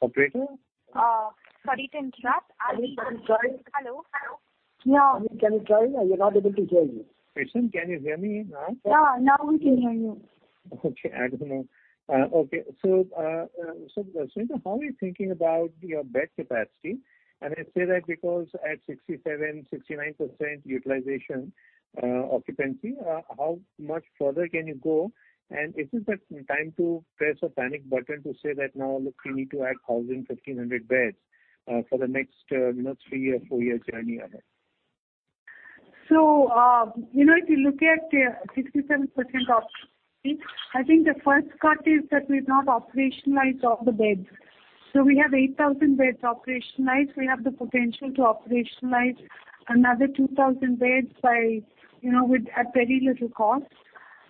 [SPEAKER 10] Operator?
[SPEAKER 1] Sorry to interrupt.
[SPEAKER 5] Can you try?
[SPEAKER 1] Hello, hello.
[SPEAKER 3] Yeah.
[SPEAKER 5] Can you try? We are not able to hear you.
[SPEAKER 10] Krishnan, can you hear me now?
[SPEAKER 3] Yeah, now we can hear you.
[SPEAKER 10] Okay, I don't know. Okay. Suneeta, how are you thinking about your bed capacity? I say that because at 67%-69% utilization occupancy, how much further can you go? Is this the time to press a panic button to say that, "Now, look, we need to add 1,000, 1,500 beds for the next three year, four year journey ahead?
[SPEAKER 3] If you look at 67% occupancy, I think the first cut is that we've not operationalized all the beds. We have 8,000 beds operationalized. We have the potential to operationalize another 2,000 beds at very little cost.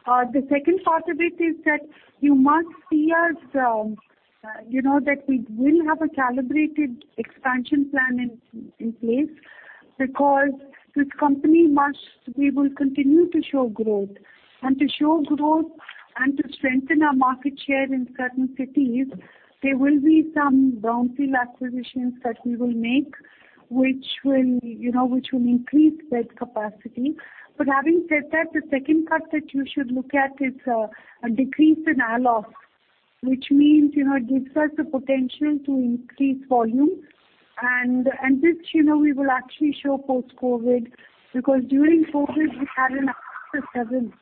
[SPEAKER 3] The second part of it is that you must see us, that we will have a calibrated expansion plan in place because this company must. We will continue to show growth. To show growth and to strengthen our market share in certain cities, there will be some Brownfield acquisitions that we will make, which will increase bed capacity. Having said that, the second cut that you should look at is a decrease in ALOS, which means, it gives us the potential to increase volume. This, we will actually show post-COVID, because during COVID, we had an ALOS of seven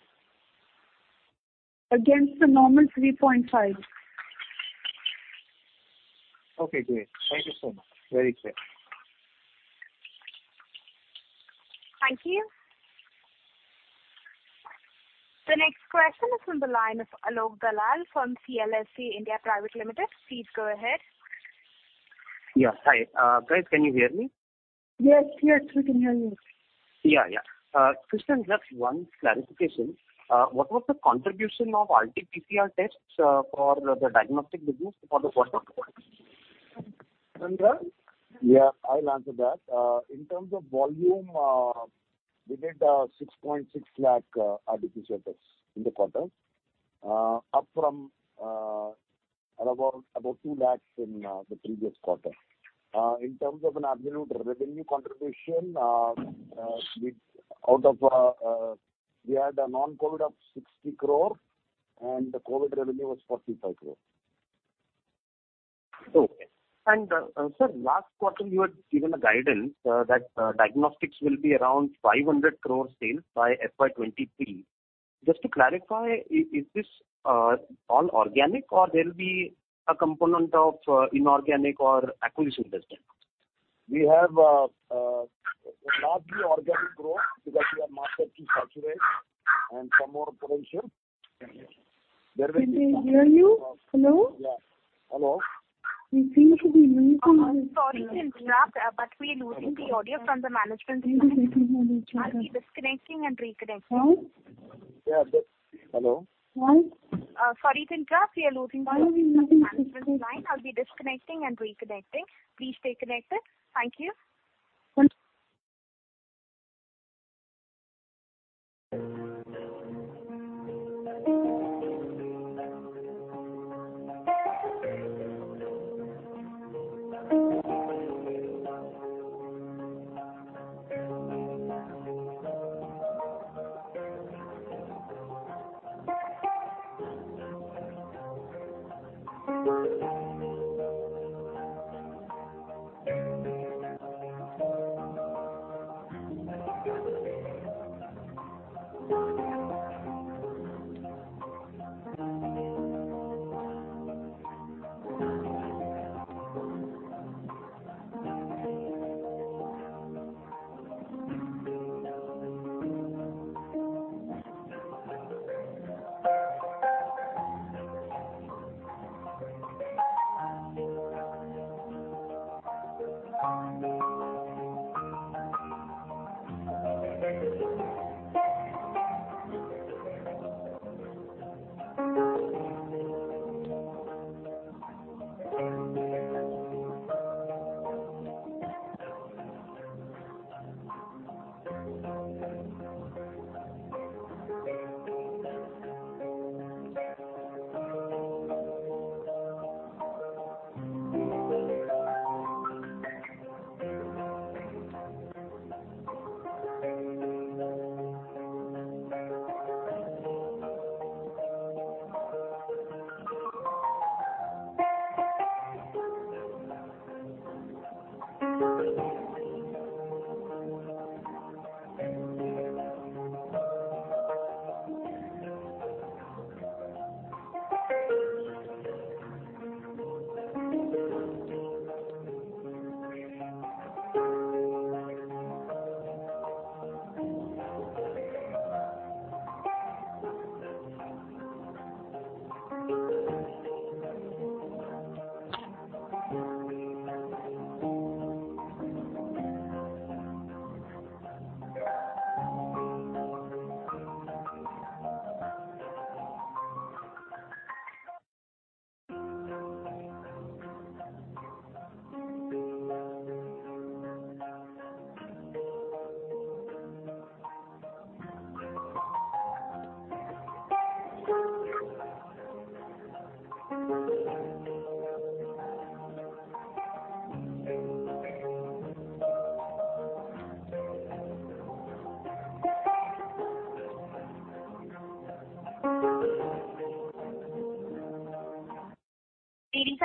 [SPEAKER 3] against the normal 3.5.
[SPEAKER 10] Okay, great. Thank you so much. Very clear.
[SPEAKER 1] Thank you. The next question is from the line of Alok Dalal from CLSA India Private Limited. Please go ahead.
[SPEAKER 15] Yeah. Hi. Guys, can you hear me?
[SPEAKER 3] Yes, we can hear you.
[SPEAKER 15] Yeah. Krishnan, just one clarification. What was the contribution of RT-PCR tests for the diagnostic business for the first quarter?
[SPEAKER 5] Chandra?
[SPEAKER 13] Yeah, I'll answer that. In terms of volume, we did 6.6 lakh RT-PCR tests in the quarter, up from about 2 lakh in the previous quarter. In terms of an absolute revenue contribution, we had a non-COVID of 60 crore and the COVID revenue was 45 crore.
[SPEAKER 15] Okay. Sir, last quarter you had given a guidance that diagnostics will be around 500 crore sales by FY 2023. Just to clarify, is this all organic or there'll be a component of inorganic or acquisition business?
[SPEAKER 13] We have a largely organic growth because we have market to saturate and some more penetration.
[SPEAKER 3] Can we hear you? Hello?
[SPEAKER 13] Yeah. Hello?
[SPEAKER 3] We seem to be losing you.
[SPEAKER 1] Sorry to interrupt, but we're losing the audio from the management side. I'll be disconnecting and reconnecting.
[SPEAKER 13] Yeah. Hello?
[SPEAKER 3] Hello?
[SPEAKER 1] Sorry to interrupt. We are losing audio from the management line. I will be disconnecting and reconnecting. Please stay connected. Thank you.
[SPEAKER 3] One-
[SPEAKER 1] Ladies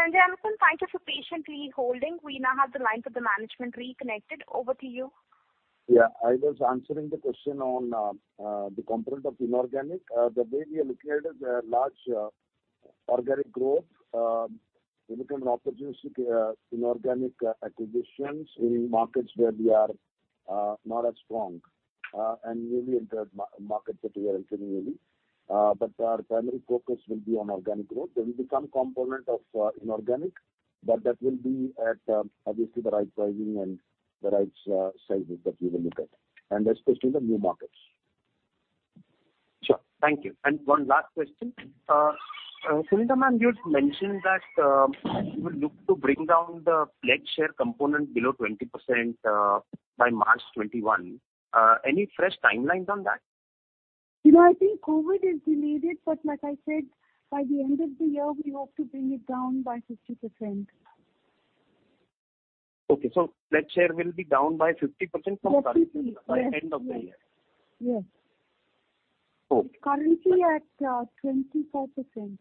[SPEAKER 1] and gentlemen, thank you for patiently holding. We now have the line to the management reconnected. Over to you.
[SPEAKER 13] Yeah. I was answering the question on the component of inorganic. The way we look at it, there are large organic growth. We look at an opportunity, inorganic acquisitions in markets where we are not as strong, and we will enter markets that we are continuing. Our primary focus will be on organic growth. There will be some component of inorganic, but that will be at obviously the right pricing and the right sizes that we will look at, and especially the new markets.
[SPEAKER 15] Sure. Thank you. One last question. Suneeta, you had mentioned that you will look to bring down the pledge share component below 20% by March 2021. Any fresh timelines on that?
[SPEAKER 3] I think COVID has delayed it, but like I said, by the end of the year, we hope to bring it down by 50%.
[SPEAKER 15] Okay. pledge share will be down by 50% from-
[SPEAKER 3] Yes
[SPEAKER 15] by end of the year.
[SPEAKER 3] Yes.
[SPEAKER 15] Cool.
[SPEAKER 3] It's currently at 24%.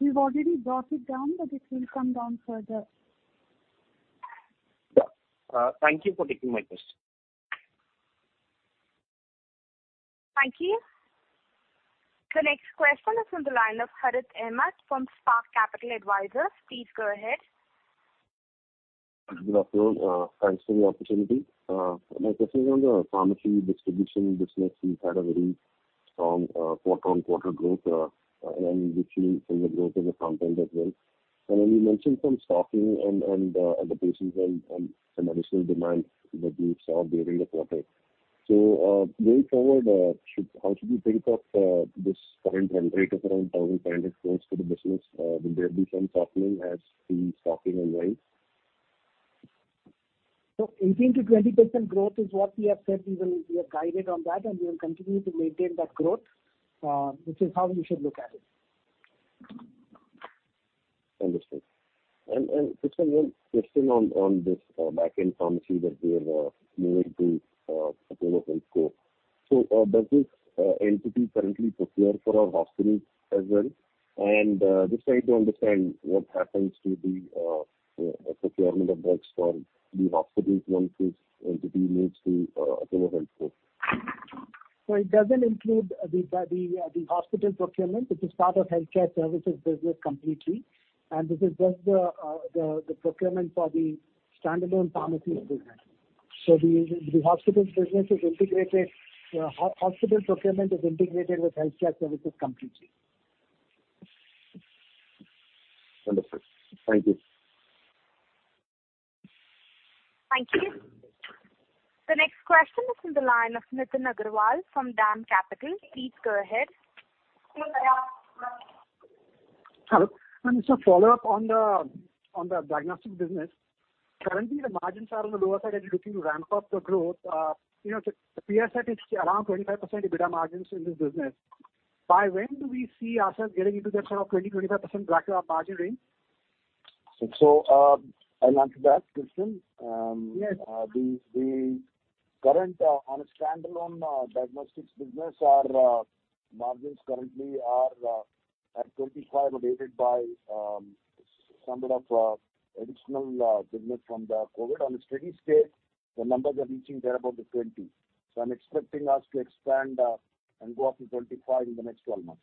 [SPEAKER 3] We've already brought it down, but it will come down further.
[SPEAKER 15] Thank you for taking my question.
[SPEAKER 1] Thank you. The next question is on the line of Harith Ahamed from Spark Capital Advisors. Please go ahead.
[SPEAKER 16] Good afternoon. Thanks for the opportunity. My question is on the pharmacy distribution business. You've had a very strong quarter-on-quarter growth, which we think the growth is a contingent as well. You mentioned some stocking and the patients and some additional demand that you saw during the quarter. Going forward, how should we think of this current run rate of around 1,500 crores for the business? Will there be some softening as the stocking aligns?
[SPEAKER 5] 18%-20% growth is what we have said. We are guided on that, and we will continue to maintain that growth, which is how you should look at it.
[SPEAKER 16] Understood. One question on this back-end pharmacy that we have moved to Apollo HealthCo. Does this entity currently procure for our hospitals as well? Just trying to understand what happens to the procurement of drugs for the hospitals once this entity moves to Apollo HealthCo.
[SPEAKER 5] It doesn't include the hospital procurement. It is part of healthcare services business completely, and this is just the procurement for the standalone pharmacy business. The hospital procurement is integrated with healthcare services completely.
[SPEAKER 16] Understood. Thank you.
[SPEAKER 1] Thank you. The next question is on the line of Nitin Agarwal from DAM Capital. Please go ahead.
[SPEAKER 12] Hello. Just a follow-up on the diagnostic business. Currently, the margins are on the lower side as you're looking to ramp up the growth. The peer set is around 25% EBITDA margins in this business. By when do we see ourselves getting into that sort of 20%-25% bracket of margin range?
[SPEAKER 13] I'll answer that question.
[SPEAKER 12] Yes.
[SPEAKER 13] The current on a standalone diagnostics business, our margins currently are at 25%, abated by somewhat of additional business from the COVID. On a steady state, the numbers are reaching there about the 20%. I'm expecting us to expand and go up to 25% in the next 12 months.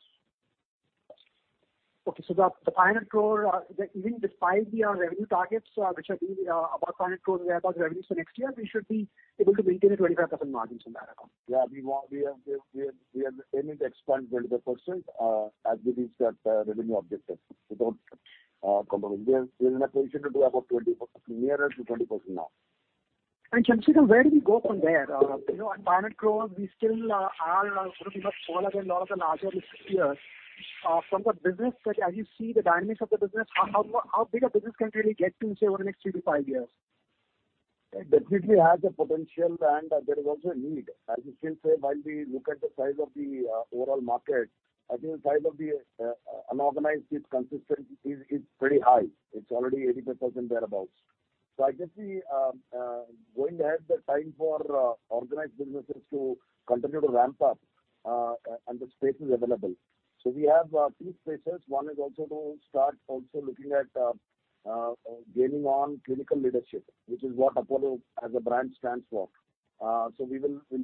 [SPEAKER 12] Okay, the 500 crore, even despite the revenue targets which are being about 500 crore revenues for next year, we should be able to maintain a 25% margins on that account.
[SPEAKER 13] Yeah. We are aiming to expand 25% as we reach that revenue objective without compromising. We are in a position to do about nearer to 20% now.
[SPEAKER 12] And Chandra, where do we go from there? At INR 500 crore, we still are sort of a smaller than lot of the larger peers. From the business, as you see the dynamics of the business, how big a business can it really get to, say, over the next three to five years?
[SPEAKER 13] It definitely has a potential, and there is also a need. As you still say, while we look at the size of the overall market, I think the size of the unorganized piece consistent is pretty high. It's already 80% thereabouts. I can see going ahead the time for organized businesses to continue to ramp up and the space is available. We have two spaces. One is also to start also looking at gaining on clinical leadership, which is what Apollo as a brand stands for. We'll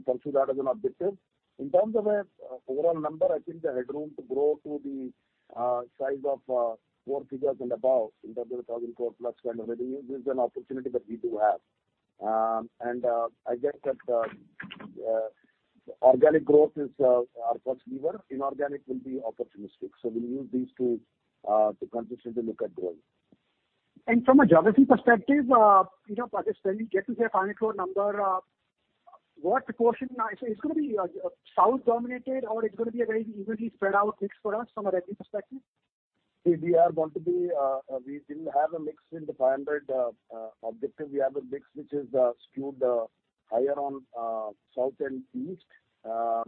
[SPEAKER 13] pursue that as an objective. In terms of overall number, I think the headroom to grow to the size of four figures and above in terms of 1,000 crore plus kind of revenue is an opportunity that we do have. I guess that organic growth is our first lever. Inorganic will be opportunistic. We'll use these two to consistently look at growth.
[SPEAKER 12] From a geography perspective, as when we get to say INR 500 crore number, it's going to be south-dominated or it's going to be a very evenly spread out mix for us from a revenue perspective?
[SPEAKER 13] We didn't have a mix in the 500 crore objective. We have a mix which is skewed higher on south and east. I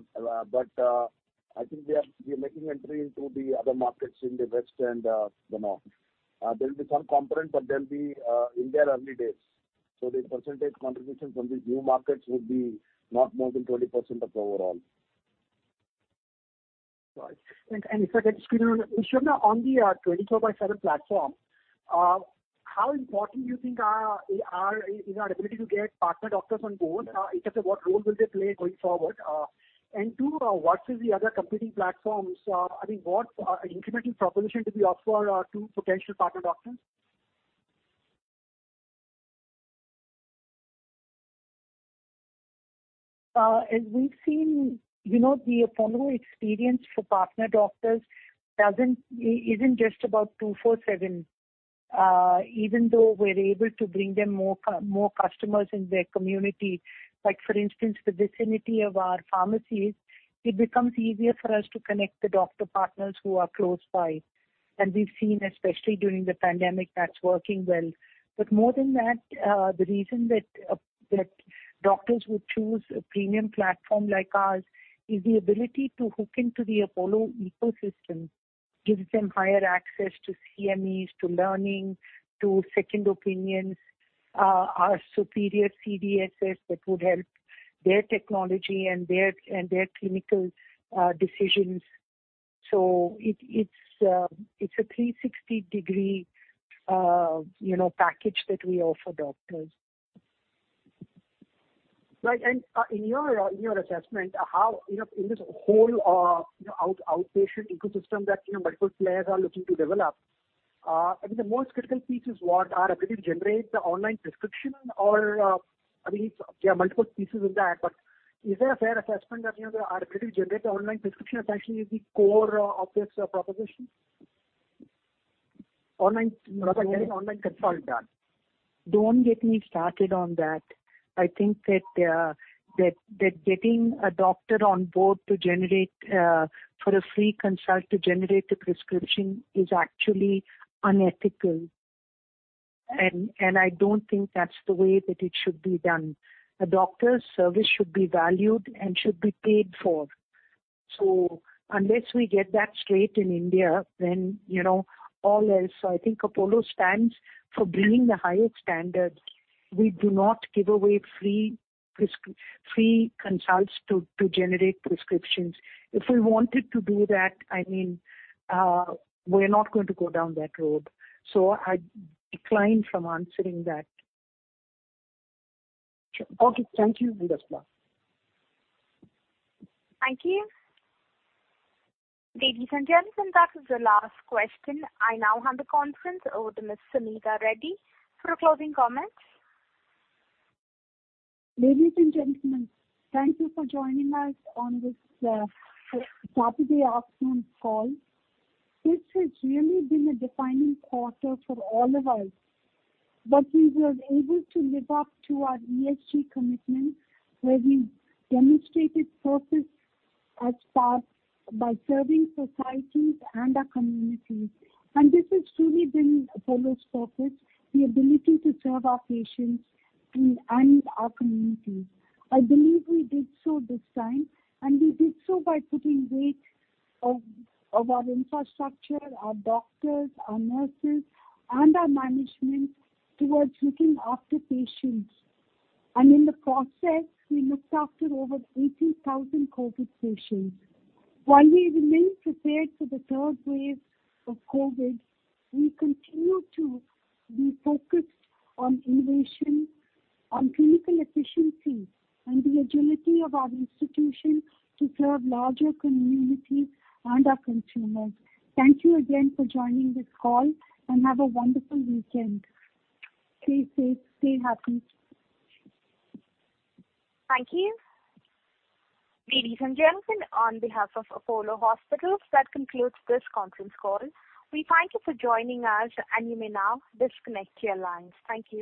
[SPEAKER 13] think we are making entry into the other markets in the west and the north. There'll be some component, but they'll be in their early days. The percentage contribution from these new markets would be not more than 20% of overall.
[SPEAKER 12] Got it. If I get Shobana, on the 24|7 platform, how important do you think is our ability to get partner doctors on board? In terms of what role will they play going forward? Two, versus the other competing platforms, I think what incremental proposition do we offer to potential partner doctors?
[SPEAKER 7] The Apollo experience for partner doctors isn't just about Apollo 24|7. Even though we're able to bring them more customers in their community. For instance, the vicinity of our pharmacies, it becomes easier for us to connect the doctor partners who are close by. We've seen, especially during the pandemic, that's working well. More than that, the reason that doctors would choose a premium platform like ours is the ability to hook into the Apollo ecosystem, gives them higher access to CMEs, to learning, to second opinions, our superior CDSS that would help their technology and their clinical decisions. It's a 360 degree package that we offer doctors.
[SPEAKER 12] Right. In your assessment, in this whole outpatient ecosystem that multiple players are looking to develop, I think the most critical piece is what our ability to generate the online prescription or there are multiple pieces in that, but is there a fair assessment that our ability to generate the online prescription essentially is the core of this proposition?
[SPEAKER 7] Online what?
[SPEAKER 12] Getting online consult done.
[SPEAKER 7] Don't get me started on that. I think that getting a doctor on board for a free consult to generate the prescription is actually unethical, and I don't think that's the way that it should be done. A doctor's service should be valued and should be paid for. Unless we get that straight in India, then all else, I think Apollo stands for bringing the highest standards. We do not give away free consults to generate prescriptions. If we wanted to do that, we're not going to go down that road. I decline from answering that.
[SPEAKER 12] Sure. Okay. Thank you, Shobana.
[SPEAKER 1] Thank you. Ladies and gentlemen, that is the last question. I now hand the conference over to Mrs. Suneeta Reddy for closing comments.
[SPEAKER 3] Ladies and gentlemen, thank you for joining us on this Saturday afternoon call. This has really been a defining quarter for all of us. We were able to live up to our ESG commitment where we demonstrated purpose at heart by serving societies and our communities. This has truly been Apollo's purpose, the ability to serve our patients and our communities. I believe we did so this time. We did so by putting weight of our infrastructure, our doctors, our nurses, and our management towards looking after patients. In the process, we looked after over 18,000 COVID patients. While we remain prepared for the third wave of COVID, we continue to be focused on innovation, on clinical efficiency, and the agility of our institution to serve larger communities and our consumers. Thank you again for joining this call. Have a wonderful weekend. Stay safe, stay happy.
[SPEAKER 1] Thank you. Ladies and gentlemen, on behalf of Apollo Hospitals, that concludes this conference call. We thank you for joining us, and you may now disconnect your lines. Thank you.